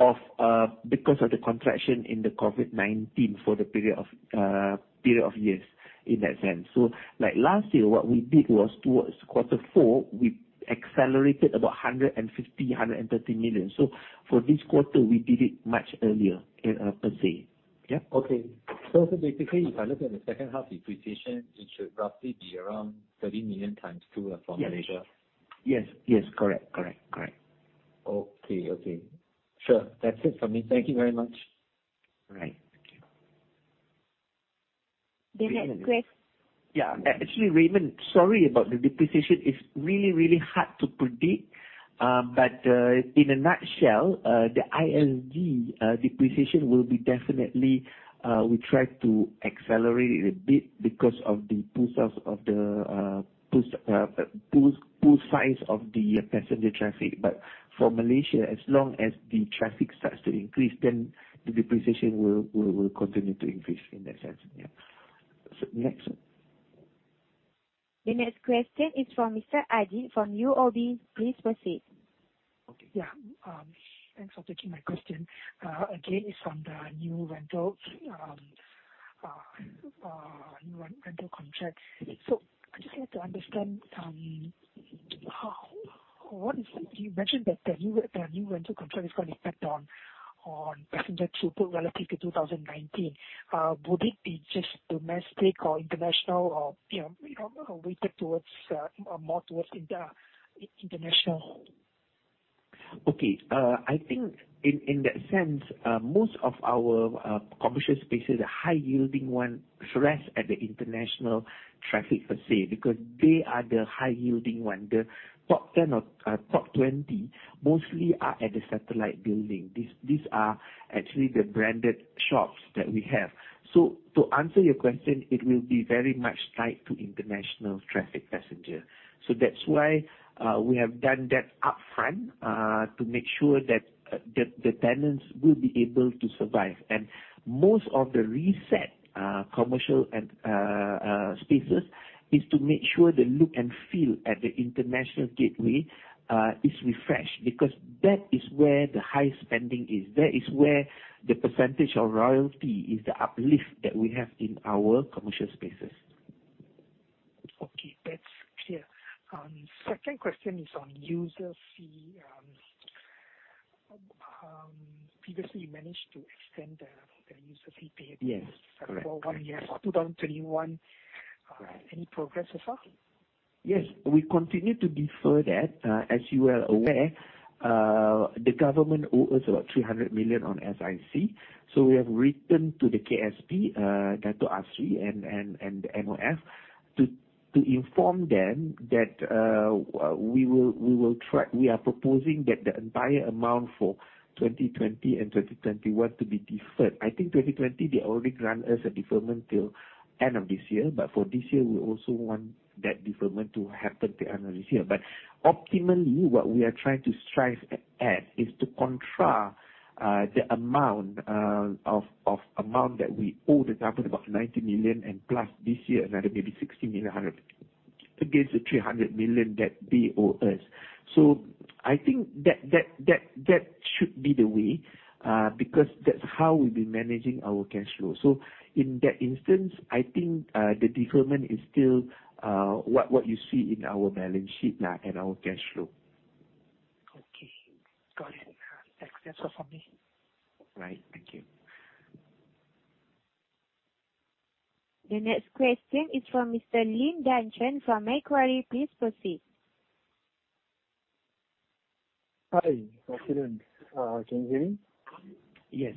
of the contraction in the COVID-19 for the period of years, in that sense. Last year, what we did was towards quarter four, we accelerated about 150 million, 130 million. For this quarter, we did it much earlier per se. Yeah. Okay. Basically, if I look at the second half depreciation, it should roughly be around 30 million times two from Malaysia. Yes. Correct. Okay. Sure. That's it for me. Thank you very much. All right. Thank you. The next quest- Yeah. Actually, Raymond, sorry about the depreciation. It's really hard to predict. In a nutshell, the ISG depreciation will be definitely, we try to accelerate it a bit because of the pool size of the passenger traffic. For Malaysia, as long as the traffic starts to increase, then the depreciation will continue to increase in that sense. Yeah. Next. The next question is from Mr. Adi from UOB. Please proceed. Okay. Yeah. Thanks for taking my question. Again, it's from the new rental contract. I'd just like to understand, you mentioned that the new rental contract is going to impact on passenger throughput relative to 2019. Would it be just domestic or international or weighted more towards international? Okay. I think in that sense, most of our commercial spaces are high-yielding ones, rest at the international traffic per se, because they are the high-yielding one. The top 10 or top 20 mostly are at the satellite building. These are actually the branded shops that we have. To answer your question, it will be very much tied to international traffic passenger. That's why we have done that upfront, to make sure that the tenants will be able to survive. Most of the reset commercial spaces is to make sure the look and feel at the international gateway is refreshed, because that is where the high spending is. That is where the percentage of royalty is the uplift that we have in our commercial spaces. Okay, that's clear. Second question is on user fee. Previously, you managed to extend the user fee period. Yes. Correct for one year, so 2021. Right. Any progress so far? Yes. We continue to defer that. As you are aware, the government owes us about 300 million on SIC. We have written to the KSP, Datuk Seri Asri Hamidon, and the MOF to inform them that we are proposing that the entire amount for 2020 and 2021 to be deferred. I think 2020, they already grant us a deferment till end of this year. For this year, we also want that deferment to happen till end of this year. Optimally, what we are trying to strive at is to contra the amount that we owe the government, about 90 million, and plus this year, another maybe 60 million against the 300 million that they owe us. I think that should be the way, because that's how we've been managing our cash flow. In that instance, I think, the deferment is still what you see in our balance sheet now and our cash flow. Okay. Got it. Thanks. That's all from me. Right. Thank you. The next question is from Mr. Lim Dan Chen from Macquarie. Please proceed. Hi. Good afternoon. Can you hear me? Yes.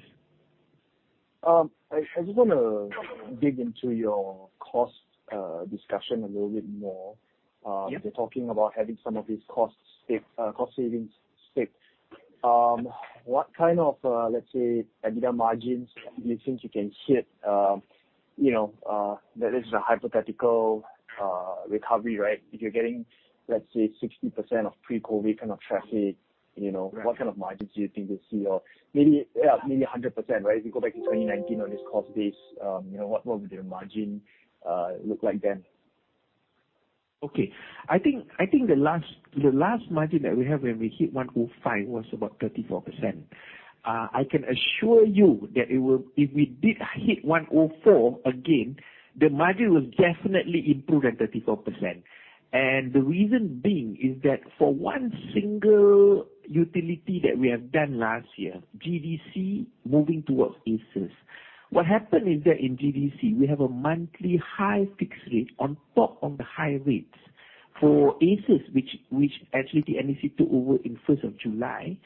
I just want to dig into your cost discussion a little bit more. Yep. You're talking about having some of these cost savings stick. What kind of, let's say, EBITDA margins do you think you can hit? That is a hypothetical recovery, right? If you're getting, let's say, 60% of pre-COVID kind of traffic. Right What kind of margins do you think you'll see? Maybe 100%, right? If you go back to 2019 on this cost base, what would the margin look like then? Okay. I think the last margin that we have when we hit 105 was about 34%. I can assure you that if we did hit 104 again, the margin will definitely improve at 34%. The reason being is that for one single utility that we have done last year, GDC, moving towards ACES. What happened is that in GDC, we have a monthly high fixed rate on top of the high rates. For ACES, which actually the TNB took over in first of July,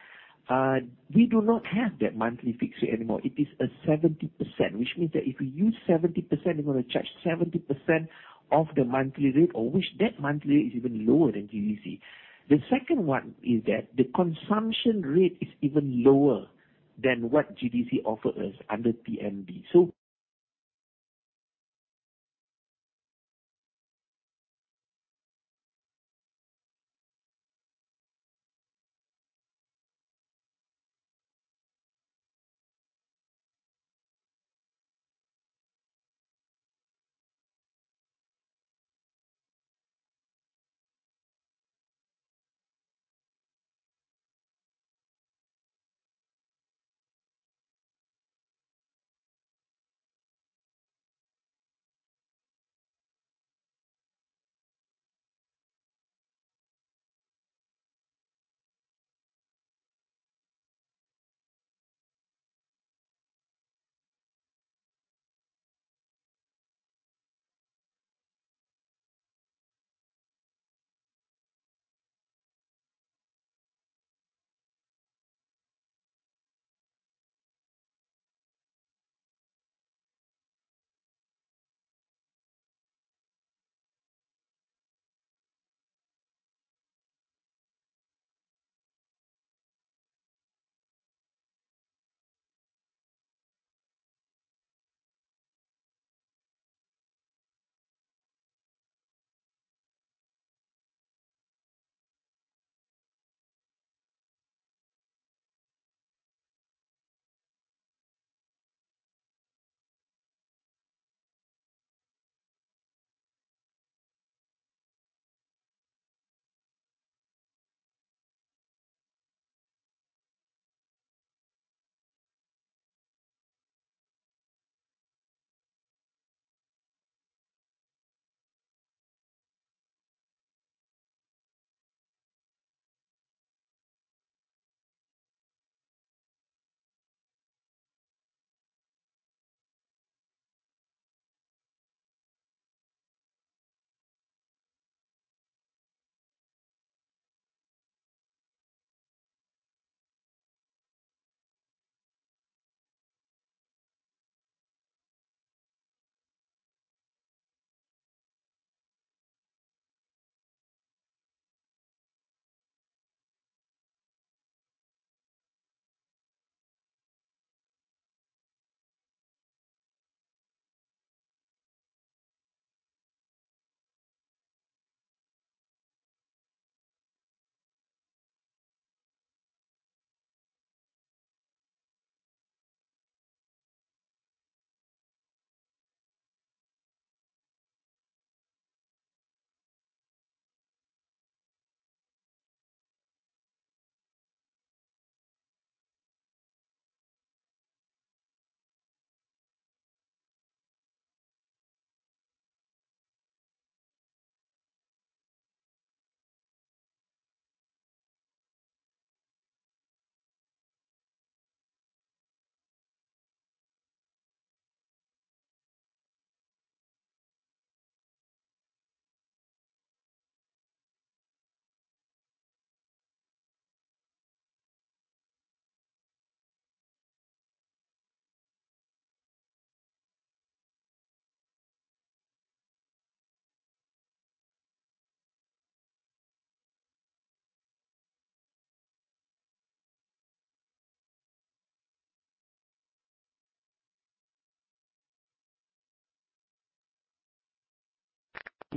we do not have that monthly fixed rate anymore. It is a 70%, which means that if you use 70%, you are going to charge 70% of the monthly rate, or which that monthly rate is even lower than GDC. The second one is that the consumption rate is even lower than what GDC offered us under PMB.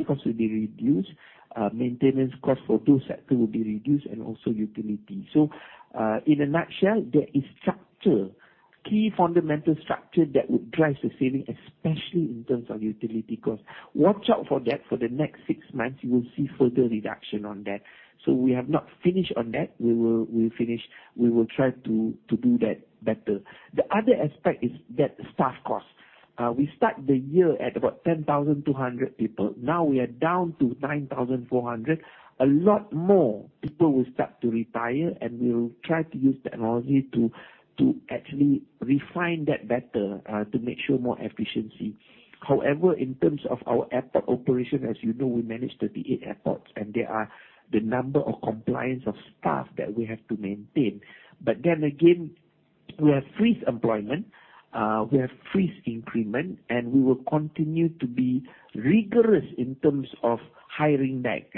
Cost will be reduced, maintenance cost for those sector will be reduced, and also utility. In a nutshell, there is structure, key fundamental structure that would drive the saving, especially in terms of utility cost. Watch out for that for the next six months. You will see further reduction on that. We have not finished on that. We will try to do that better. The other aspect is that staff cost. We start the year at about 10,200 people. Now we are down to 9,400. A lot more people will start to retire, and we will try to use technology to actually refine that better, to make sure more efficiency. However, in terms of our airport operation, as you know, we manage 38 airports, and there are the number of compliance of staff that we have to maintain. We have freeze employment. We have freeze increment, we will continue to be rigorous in terms of hiring back,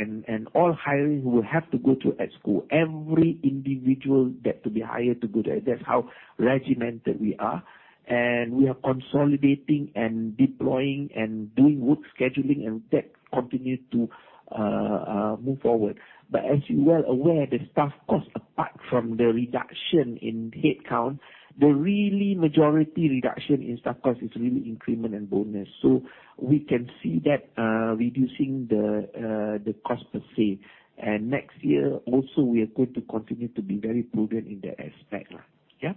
all hiring will have to go through at school. Every individual that to be hired to go there, that's how regimented we are. We are consolidating and deploying and doing work scheduling, that continue to move forward. As you're well aware, the staff cost, apart from the reduction in headcount, the really majority reduction in staff cost is really increment and bonus. We can see that reducing the cost per se. Next year also, we are going to continue to be very prudent in that aspect. Yeah.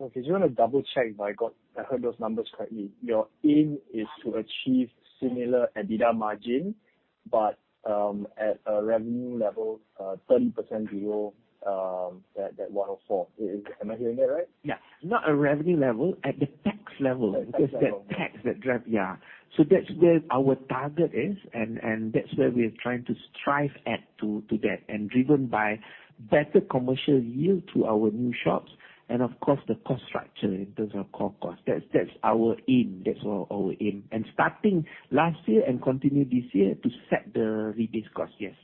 Okay. Do you want to double-check if I heard those numbers correctly? Your aim is to achieve similar EBITDA margin, but at a revenue level, 30% below that 104. Am I hearing that right? Yeah. Not a revenue level, at the pax level. At the pax level. Yeah. That's where our target is, and that's where we are trying to strive at to get, and driven by better commercial yield to our new shops and, of course, the cost structure in terms of core cost. That's our aim. Starting last year and continue this year to set the reduced cost. Yes.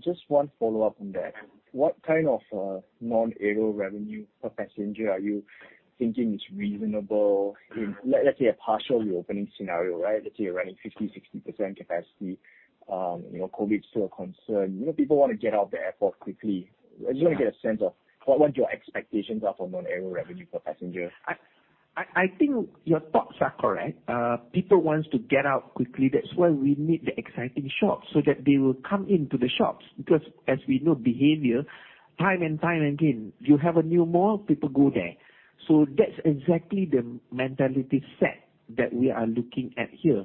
Just 1 follow-up on that. What kind of non-aero revenue per passenger are you thinking is reasonable in, let's say, a partial reopening scenario, right? Let's say you're running 50%, 60% capacity. COVID's still a concern. People want to get out the airport quickly. I just want to get a sense of what your expectations are for non-aero revenue per passenger. I think your thoughts are correct. People wants to get out quickly. Why we need the exciting shops, so that they will come into the shops. As we know behavior, time and time again, you have a new mall, people go there. That's exactly the mentality set that we are looking at here.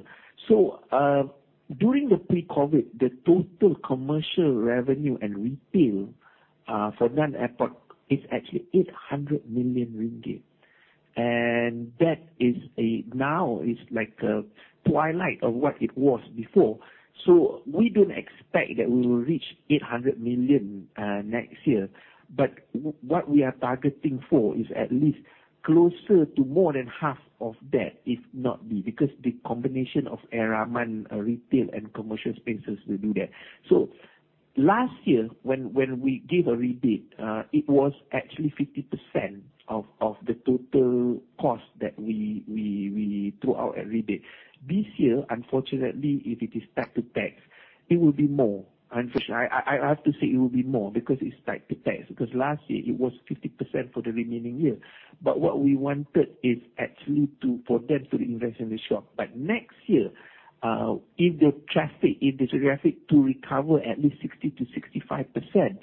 During the pre-COVID, the total commercial revenue and retail, for one airport is actually 800 million ringgit. That now is like a twilight of what it was before. We don't expect that we will reach 800 million next year. What we are targeting for is at least closer to more than half of that, if not be, because the combination of airside, retail, and commercial spaces will do that. Last year, when we gave a rebate, it was actually 50% of the total cost that we threw out a rebate. This year, unfortunately, if it is tied to pax, it will be more, unfortunately. I have to say it will be more because it is tied to pax, because last year it was 50% for the remaining year. What we wanted is actually for them to invest in the shop. Next year, if the traffic to recover at least 60%-65%,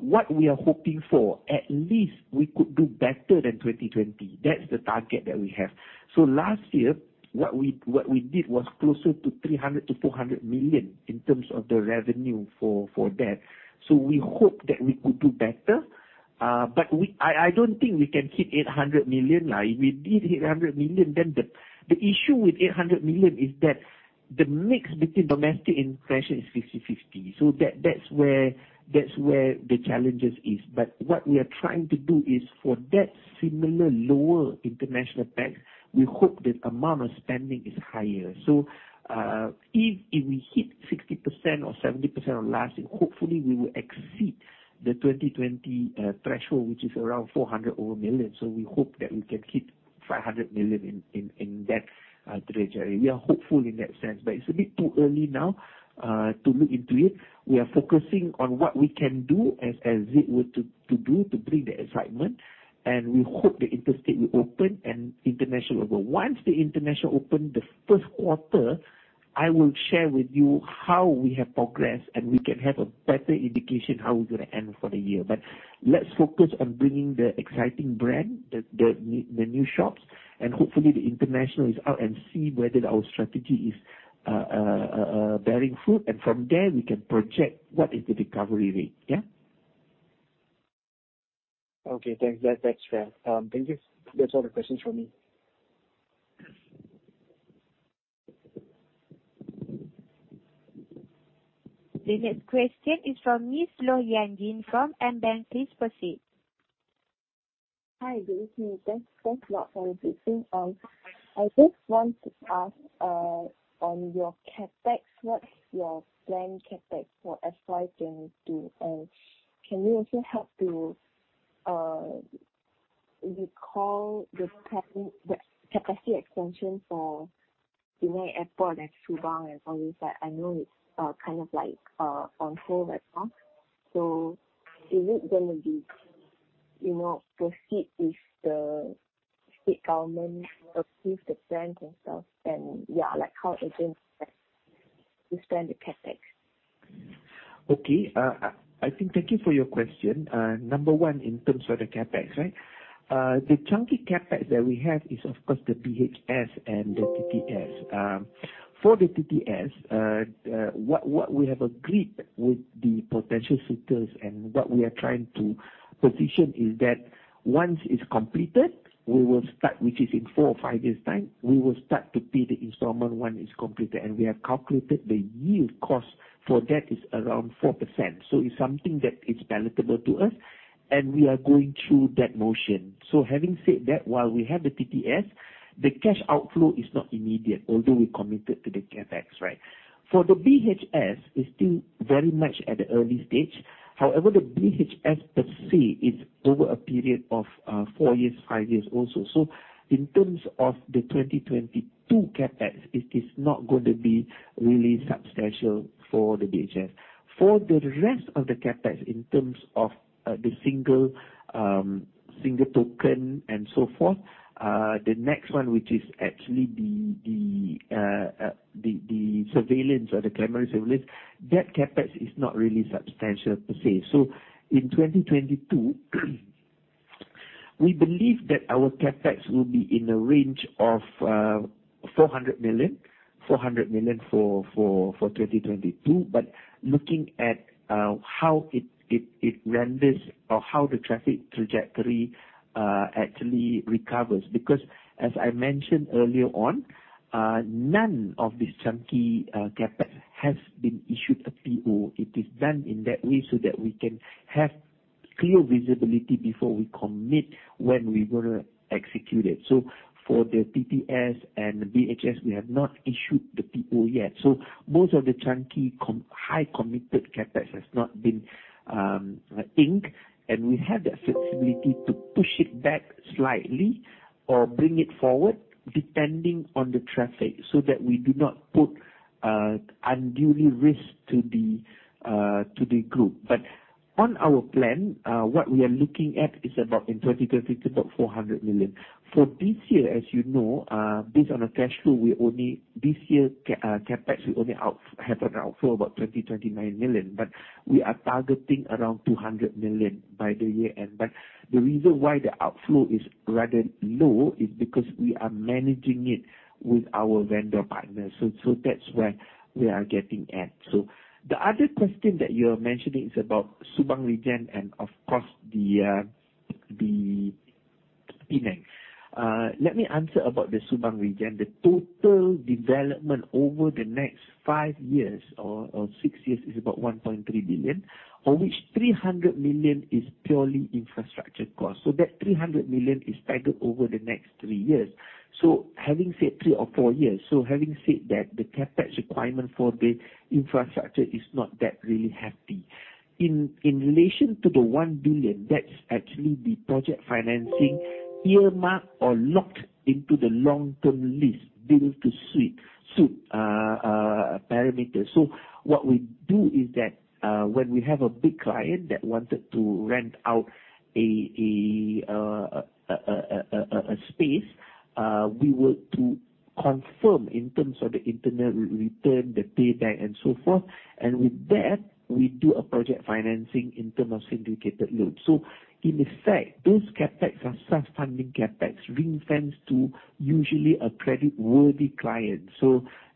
what we are hoping for, at least we could do better than 2020. That's the target that we have. Last year, what we did was closer to 300 million-400 million in terms of the revenue for that. We hope that we could do better. I don't think we can hit 800 million. If we did hit 800 million, then the issue with 800 million is that the mix between domestic and international is 50/50. That's where the challenges is. What we are trying to do is for that similar lower international pax, we hope the amount of spending is higher. If we hit 60% or 70% of last year, hopefully we will exceed the 2020 threshold, which is around 400 over million. We hope that we can hit 500 million in that trajectory. We are hopeful in that sense, but it's a bit too early now to look into it. We are focusing on what we can do, as it were, to bring the excitement, and we hope the interstate will open and international will. Once the international open, the first quarter, I will share with you how we have progressed, and we can have a better indication how we're going to end for the year. Let's focus on bringing the exciting brand, the new shops, and hopefully the international is out and see whether our strategy is bearing fruit. From there, we can project what is the recovery rate. Yeah. Okay. Thanks. That's fair. Thank you. That's all the questions from me. The next question is from Miss Loh Yan Yin from AmBank. Please proceed. [I just want to ask on your capex, what's your planned capex for FY 2022? Can we also help you recall the testing expansion for Penang airport and Subang, but I know it's kind of like on hold right now. So should it then be more proceed if the state government approves the plan itself and yeah, like how it is, we stand the capex.] Okay. I think thank you for your question. Number one, in terms of the CapEx, right? The chunky CapEx that we have is, of course, the BHS and the TTS. For the TTS, what we have agreed with the potential suitors and what we are trying to position is that once it's completed, we will start, which is in four or five years' time, we will start to pay the installment once it's completed. We have calculated the yield cost for that is around 4%. It's something that is palatable to us. And we are going through that motion. Having said that, while we have the TTS, the cash outflow is not immediate, although we committed to the CapEx. For the BHS, it's still very much at the early stage. The BHS per se is over a period of four years, five years also. In terms of the 2022 CapEx, it is not going to be really substantial for the BHS. For the rest of the CapEx in terms of the single token and so forth, the next one, which is actually the surveillance or the camera surveillance, that CapEx is not really substantial per se. In 2022, we believe that our CapEx will be in the range of 400 million for 2022. Looking at how it renders or how the traffic trajectory actually recovers. As I mentioned earlier on, none of this chunky CapEx has been issued a PO. It is done in that way so that we can have clear visibility before we commit when we were executed. For the TTS and the BHS, we have not issued the PO yet. Most of the chunky, high committed CapEx has not been inked, and we have that flexibility to push it back slightly or bring it forward depending on the traffic, so that we do not put unduly risk to the group. On our plan, what we are looking at is about in 2023, is about 400 million. For this year, as you know, based on a cash flow, this year CapEx, we only have an outflow about 20 million, MYR 29 million. We are targeting around 200 million by the year-end. The reason why the outflow is rather low is because we are managing it with our vendor partners. That's where we are getting at. The other question that you are mentioning is about Subang region and of course, Penang. Let me answer about the Subang region. The total development over the next five years or six years is about 1.3 billion, of which 300 million is purely infrastructure cost. That 300 million is staggered over the next three years. Having said three or four years, having said that, the CapEx requirement for the infrastructure is not that really hefty. In relation to the 1 billion, that's actually the project financing earmarked or locked into the long-term lease build-to-suit parameter. What we do is that, when we have a big client that wanted to rent out a space, we were to confirm in terms of the internal return, the payback, and so forth. With that, we do a project financing in term of syndicated loans. In effect, those CapEx are self-funding CapEx ring-fenced to usually a credit-worthy client.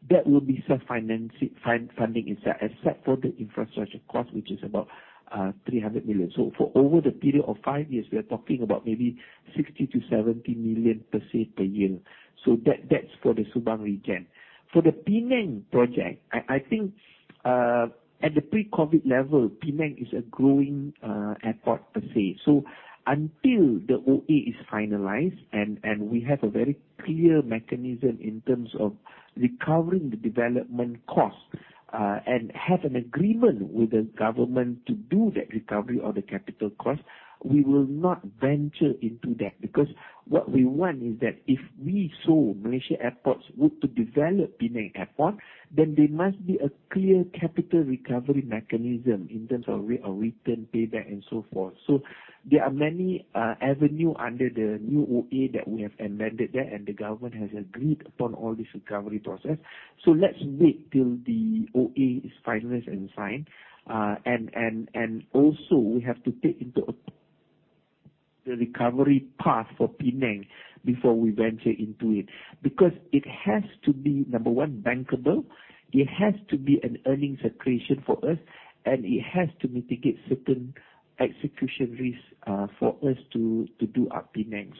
That will be self-funding except for the infrastructure cost, which is about 300 million. For over the period of five years, we are talking about maybe 60 million-70 million per se per year. That's for the Subang region. For the Penang project, I think at the pre-COVID level, Penang is a growing airport per se. Until the OA is finalized and we have a very clear mechanism in terms of recovering the development cost and have an agreement with the government to do that recovery of the capital cost, we will not venture into that. What we want is that if we saw Malaysia Airports were to develop Penang Airport, then there must be a clear capital recovery mechanism in terms of return, payback, and so forth. There are many avenue under the new OA that we have amended there, and the government has agreed upon all this recovery process. Let's wait till the OA is finalized and signed. Also we have to take into the recovery path for Penang before we venture into it. It has to be, number one, bankable, it has to be an earnings accretion for us, and it has to mitigate certain execution risk for us to do up Penang.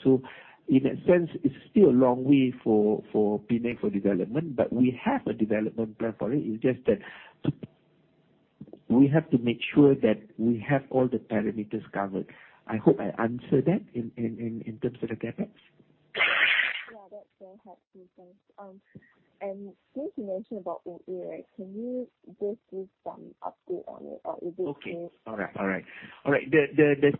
In that sense, it's still a long way for Penang for development, but we have a development plan for it. It's just that we have to make sure that we have all the parameters covered. I hope I answered that in terms of the CapEx. Yeah, that's very helpful. Thanks. Since you mentioned about OA, can you just give some update on it? Okay. All right. The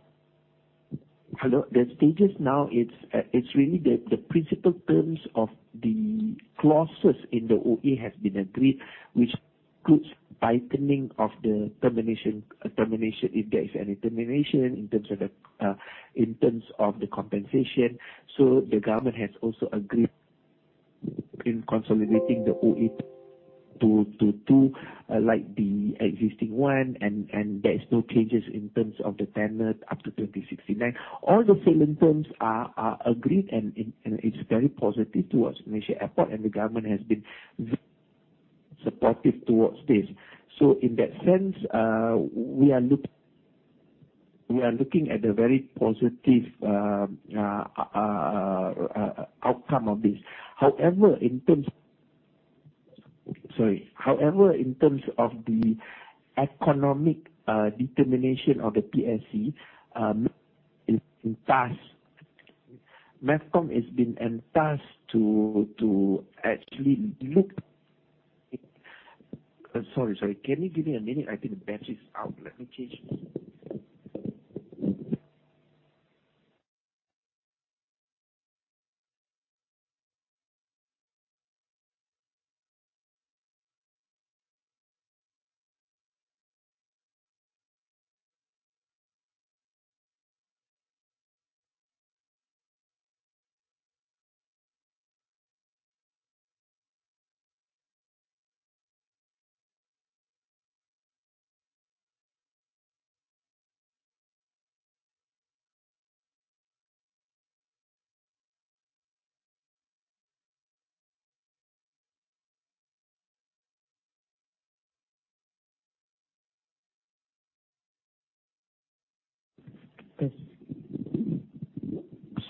stages now, it's really the principal terms of the clauses in the OA has been agreed, which could tightening of the termination if there is any termination in terms of the compensation. The government has also agreed in consolidating the OA to two, like the existing one, and there's no changes in terms of the tenure up to 2069. All the salient terms are agreed, it's very positive towards Malaysia Airports, and the government has been very supportive towards this. In that sense, we are looking at a very positive outcome of this. However, in terms of the economic determination of the PSC, MAVCOM has been tasked to actually look. Sorry. Can you give me a minute? I think the battery's out. Let me change.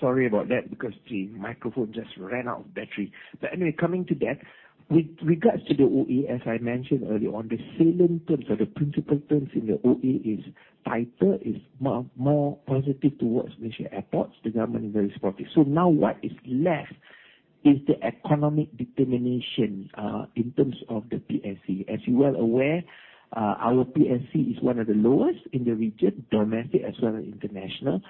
Sorry about that because the microphone just ran out of battery. Coming to that, with regards to the OA, as I mentioned earlier, on the salient terms or the principal terms in the OA is tighter, is more positive towards Malaysia Airports. The government is very supportive. Now what is left is the economic determination in terms of the PSC. As you are well aware, our PSC is one of the lowest in the region, domestic as well as international.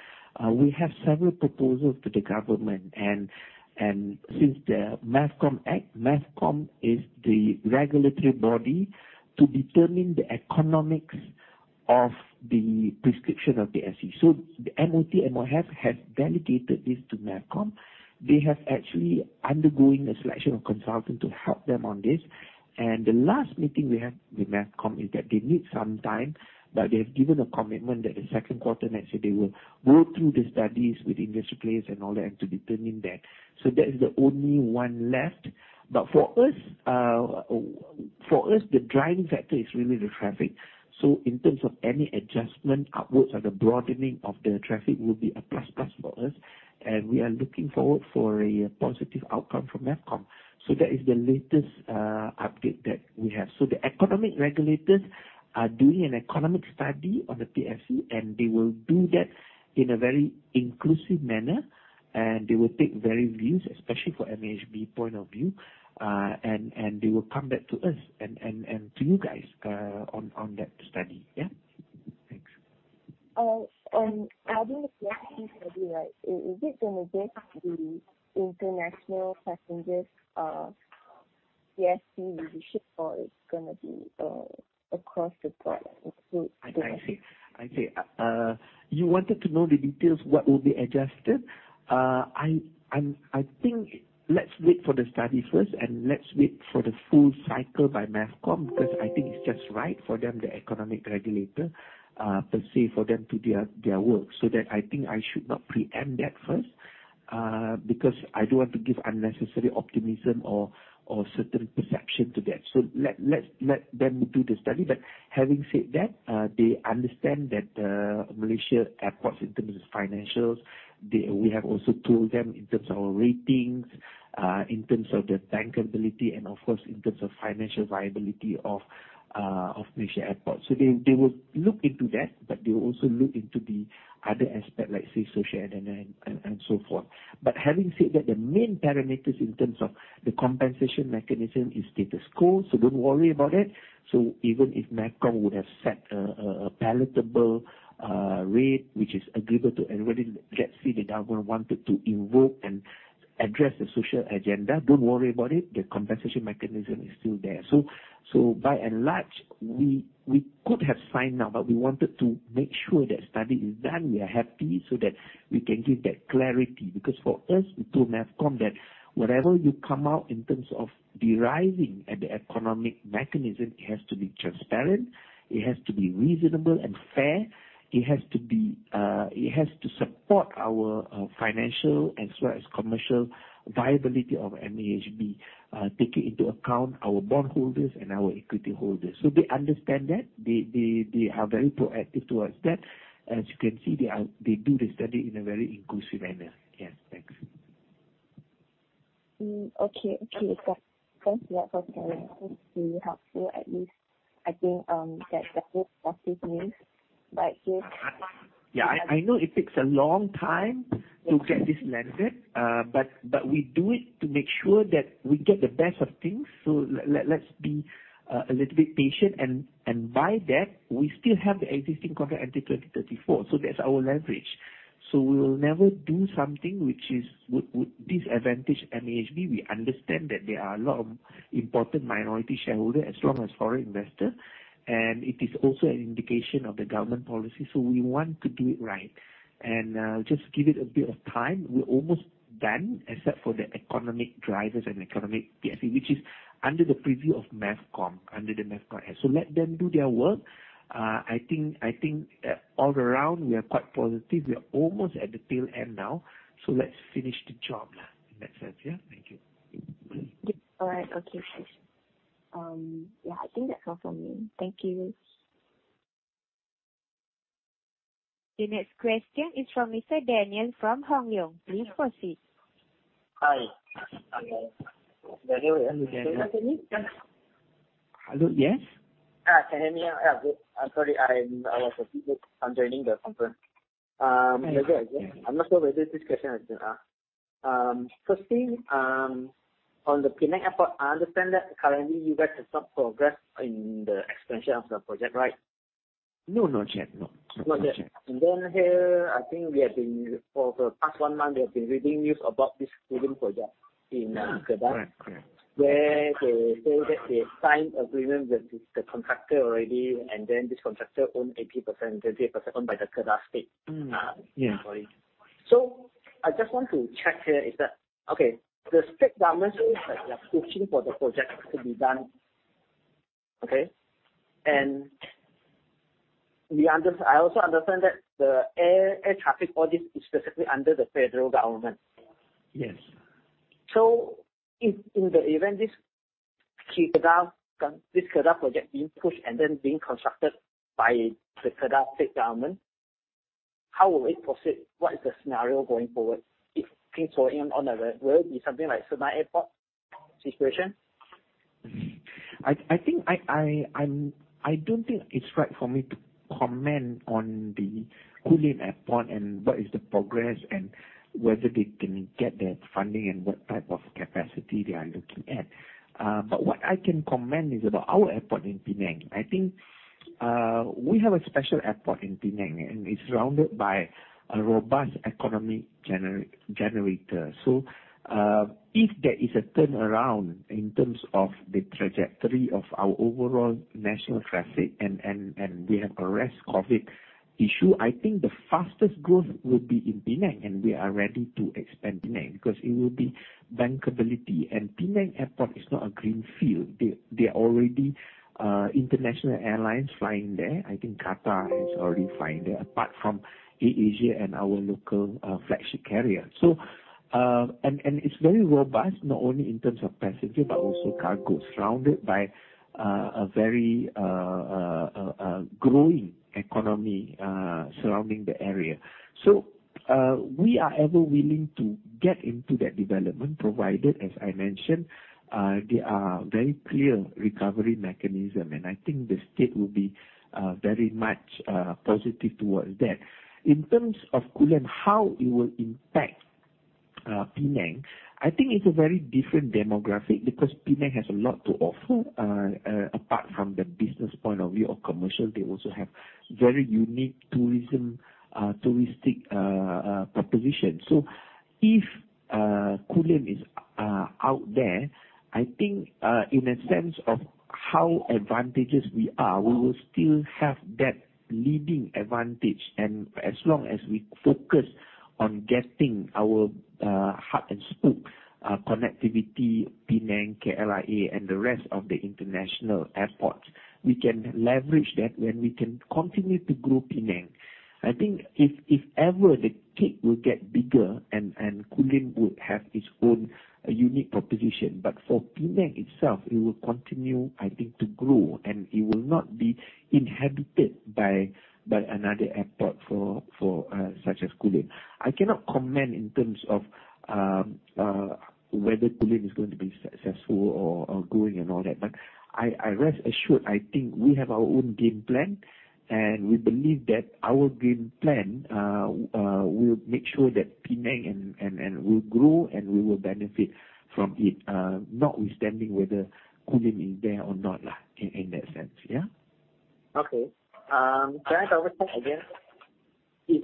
We have several proposals to the government. Since the MAVCOM Act, MAVCOM is the regulatory body to determine the economics of the prescription of PSC. The MOT and MOF have validated this to MAVCOM. They have actually undergoing a selection of consultant to help them on this. The last meeting we had with MAVCOM is that they need some time, but they have given a commitment that the second quarter next year, they will go through the studies with industry players and all that and to determine that. That is the only one left. For us, the driving factor is really the traffic. In terms of any adjustment upwards or the broadening of the traffic will be a plus plus for us, and we are looking forward for a positive outcome from MAVCOM. That is the latest update that we have. The economic regulators are doing an economic study on the PSC, and they will do that in a very inclusive manner, and they will take varied views, especially for MAHB point of view, and they will come back to us and to you guys on that study. Thanks. Adding to PSC study, is it going to get the international passengers, PSC will be shift or it's going to be across the board? I see. You wanted to know the details what will be adjusted? I think let's wait for the study first and let's wait for the full cycle by MAVCOM, because I think it's just right for them, the economic regulator, per se, for them to their work. I think I should not preempt that first, because I don't want to give unnecessary optimism or certain perception to that. Let them do the study. Having said that, they understand that Malaysia Airports, in terms of financials, we have also told them in terms of our ratings, in terms of the bankability and, of course, in terms of financial viability of Malaysia Airports. They will look into that, but they will also look into the other aspect like, say, social agenda and so forth. Having said that, the main parameters in terms of the compensation mechanism is status quo. Don't worry about it. Even if MAVCOM would have set a palatable rate which is agreeable to everybody, let's say the government wanted to invoke and address the social agenda, don't worry about it, the compensation mechanism is still there. By and large, we could have signed now, but we wanted to make sure that study is done. We are happy so that we can give that clarity. For us, we told MAVCOM that whatever you come out in terms of deriving at the economic mechanism, it has to be transparent. It has to be reasonable and fair. It has to support our financial as well as commercial viability of MAHB, taking into account our bondholders and our equity holders. They understand that. They are very proactive towards that. As you can see, they do the study in a very inclusive manner. Yes. Thanks. Okay. Thanks a lot for sharing. Hopefully helpful. At least I think that's a positive news. Yeah, I know it takes a long time to get this landed, we do it to make sure that we get the best of things. Let's be a little bit patient, by that, we still have the existing contract until 2034. That's our leverage. We will never do something which would disadvantage MAHB. We understand that there are a lot of important minority shareholder as well as foreign investor, it is also an indication of the government policy, we want to do it right. Just give it a bit of time. We're almost done except for the economic drivers and economic PSC, which is under the preview of MAVCOM, under the MAVCOM Act. Let them do their work. I think all around we are quite positive. We are almost at the tail end now, so let's finish the job in that sense. Yeah. Thank you. All right. Okay. Yeah, I think that's all from me. Thank you. The next question is from Mr. Daniel from Hong Leong. Please proceed. Hi. Hello, Daniel. Can you hear me? Hello, yes. Can you hear me now? Good. I'm sorry. I was a bit late unjoining the conference. Yes. I'm not sure whether this question has been asked. Firstly, on the Penang Airport, I understand that currently, you guys have some progress in the expansion of the project, right? No, not yet. Not yet. Here, I think for the past one month, we have been reading news about this Kulim project in Kedah. Correct. Where they say that they signed agreement with the contractor already. This contractor own 80%, 20% owned by the Kedah State. Yeah. I just want to check here is that, okay, the state government says that they're pushing for the project to be done. Okay? I also understand that the Air Traffic Office is specifically under the federal government. Yes. In the event this Kedah project being pushed and then being constructed by the Kedah State Government, how will it proceed? What is the scenario going forward if things were to go on? Will it be something like Senai Airport situation? I don't think it's right for me to comment on the Kulim Airport and what is the progress and whether they can get that funding and what type of capacity they are looking at. What I can comment is about our airport in Penang. I think we have a special airport in Penang, and it's surrounded by a robust economic generator. If there is a turnaround in terms of the trajectory of our overall national traffic and we have a rest Covid issue, I think the fastest growth will be in Penang, and we are ready to expand Penang because it will be bankability. Penang Airport is not a greenfield. There are already international airlines flying there. I think Qatar has already flying there, apart from AirAsia and our local flagship carrier. It's very robust, not only in terms of passenger, but also cargo, surrounded by a very growing economy surrounding the area. We are ever-willing to get into that development, provided, as I mentioned, there are very clear recovery mechanism, and I think the state will be very much positive towards that. In terms of Kulim, how it will impact Penang, I think it's a very different demographic because Penang has a lot to offer. Apart from the business point of view or commercial, they also have very unique touristic proposition. If Kulim is out there, I think, in a sense of how advantageous we are, we will still have that leading advantage, and as long as we focus on getting our hub-and-spoke connectivity, Penang-KLIA, and the rest of the international airports, we can leverage that when we can continue to grow Penang. I think if ever the cake will get bigger and Kulim would have its own unique proposition. For Penang itself, it will continue, I think, to grow, and it will not be inhabited by another airport such as Kulim. I cannot comment in terms of whether Kulim is going to be successful or growing and all that, but I rest assured, I think we have our own game plan, and we believe that our game plan will make sure that Penang will grow, and we will benefit from it, notwithstanding whether Kulim is there or not, in that sense. Yeah. Okay. Can I double-check again? If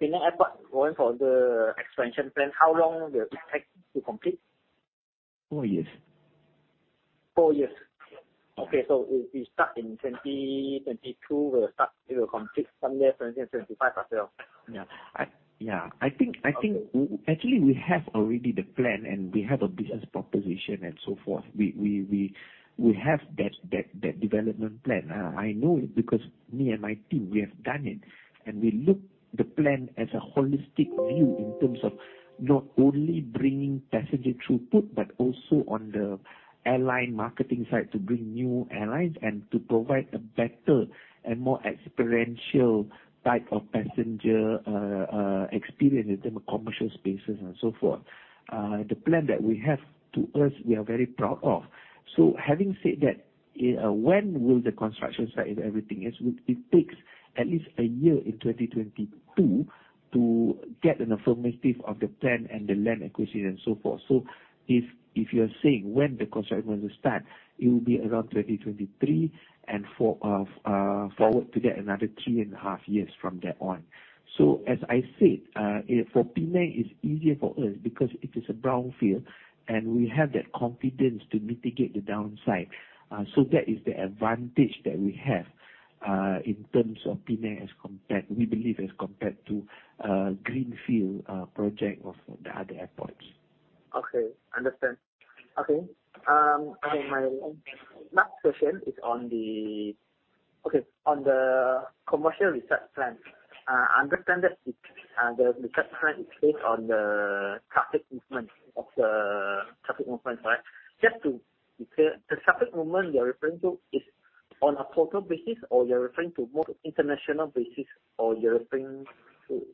Penang Airport going for the expansion plan, how long will it take to complete? Four years. Four years. Okay, if we start in 2022, we'll complete somewhere 2025 ourselves. Yeah. Actually, we have already the plan, and we have a business proposition and so forth. We have that development plan. I know it because me and my team, we have done it, and we look the plan as a holistic view in terms of not only bringing passenger throughput but also on the airline marketing side to bring new airlines and to provide a better and more experiential type of passenger experience in terms of commercial spaces and so forth. The plan that we have, to us, we are very proud of. Having said that, when will the construction start and everything else? It takes at least a year in 2022 to get an affirmative of the plan and the land acquisition and so forth. If you are saying when the construction will start, it will be around 2023 and forward to get another three and a half years from there on. As I said, for Penang, it's easier for us because it is a brownfield, and we have that confidence to mitigate the downside. That is the advantage that we have in terms of Penang, we believe, as compared to greenfield project of the other airports. Okay. Understand. Okay. My next question is on the commercial retail plan. I understand that the catchment is based on the traffic movement, right? Just to be clear, the traffic movement you're referring to is on a total basis or you're referring to more international basis, or you're referring to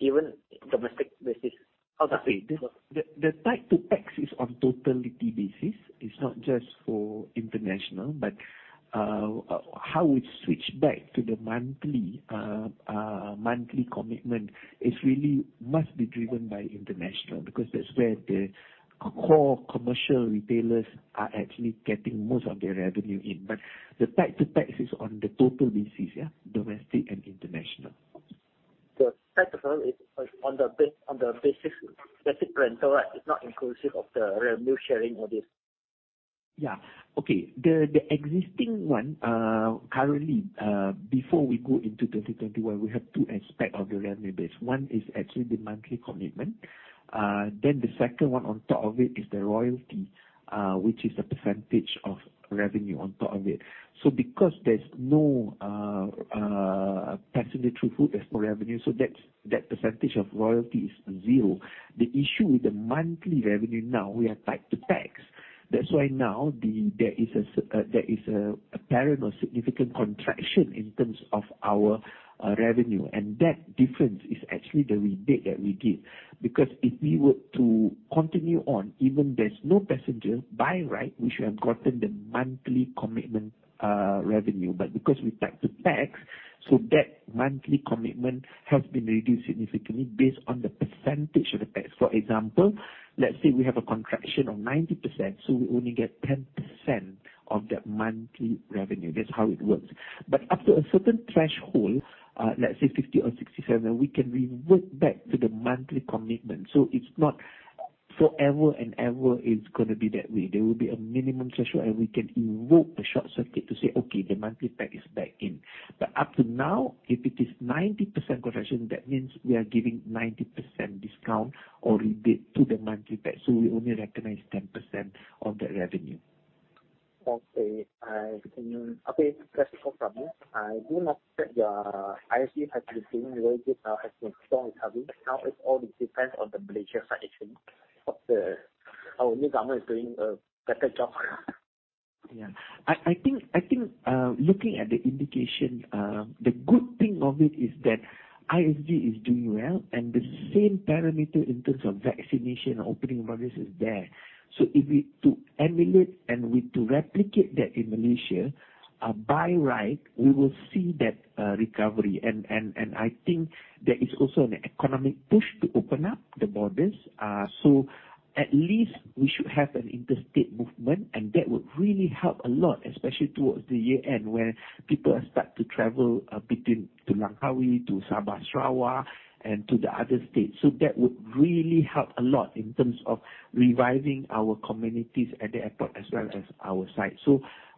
even domestic basis? How is that? The tied to PAX is on totality basis. It's not just for international, but how it switched back to the monthly commitment, it really must be driven by international, because that's where the core commercial retailers are actually getting most of their revenue in. The tied to PAX is on the total basis, yeah. Domestic and international. Tied to PAX is on the basic rental, right? It's not inclusive of the revenue sharing or this. Yeah. Okay. The existing one, currently, before we go into 2021, we have two aspects of the revenue base. One is actually the monthly commitment. The second one on top of it is the royalty, which is the percentage of revenue on top of it. Because there's no passenger throughput, there's no revenue, that percentage of royalty is zero. The issue with the monthly revenue now, we are tied to PAX. That's why now, there is an apparent or significant contraction in terms of our revenue. That difference is actually the rebate that we give. Because if we were to continue on, even there's no passenger, by right, we should have gotten the monthly commitment revenue. Because we tied to PAX, so that monthly commitment has been reduced significantly based on the percentage of the PAX. For example, let's say we have a contraction of 90%, so we only get 10% of that monthly revenue. That's how it works. After a certain threshold, let's say 50% or 67%, we can revert back to the monthly commitment. So it's not forever and ever it's going to be that way. There will be a minimum threshold, and we can invoke a short circuit to say, "Okay, the monthly PAX is back in." Up to now, if it is 90% contraction, that means we are giving 90% discount or rebate to the monthly PAX, so we only recognize 10% of that revenue. Okay. Last one from me. I do not expect your ISG has been doing very good now as the storm is coming. Now it all depends on the Malaysia side actually, of the our new government is doing a better job. I think, looking at the indication, the good thing of it is that ISG is doing well and the same parameter in terms of vaccination, opening borders is there. If we to emulate and we to replicate that in Malaysia, by right, we will see that recovery. I think there is also an economic push to open up the borders. At least we should have an interstate movement, and that would really help a lot, especially towards the year-end, where people start to travel a bit in to Langkawi, to Sabah, Sarawak, and to the other states. That would really help a lot in terms of reviving our communities at the airport as well as our site.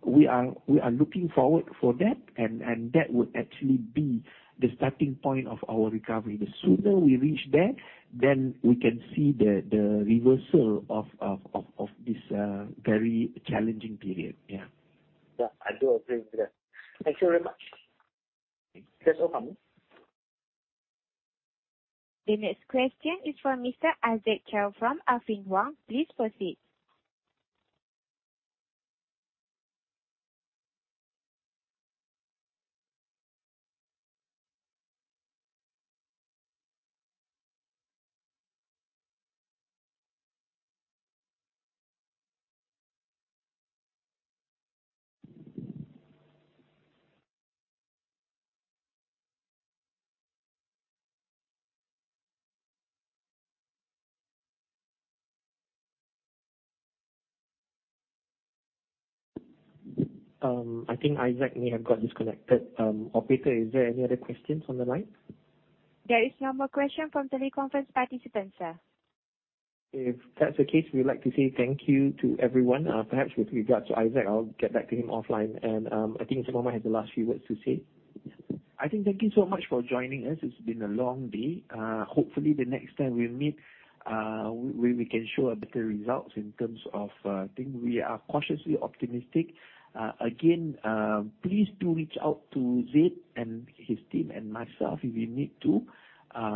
We are looking forward for that, and that would actually be the starting point of our recovery. The sooner we reach there, then we can see the reversal of this very challenging period. Yeah. Yeah. I do agree with that. Thank you very much. Thank you. That's all from me. The next question is from Mr. Isaac Chow from Affin Hwang. Please proceed. I think Isaac may have got disconnected. Operator, is there any other questions on the line? There is no more question from teleconference participants, sir. If that's the case, we'd like to say thank you to everyone. Perhaps with regards to Isaac, I'll get back to him offline. I think Mohammad has the last few words to say. I think thank you so much for joining us. It's been a long day. Hopefully, the next time we meet, we can show better results in terms of I think we are cautiously optimistic. Again, please do reach out to Zeid and his team and myself if you need to.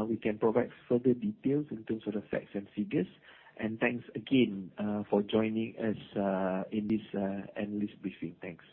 We can provide further details in terms of the facts and figures. Thanks again, for joining us in this analyst briefing. Thanks.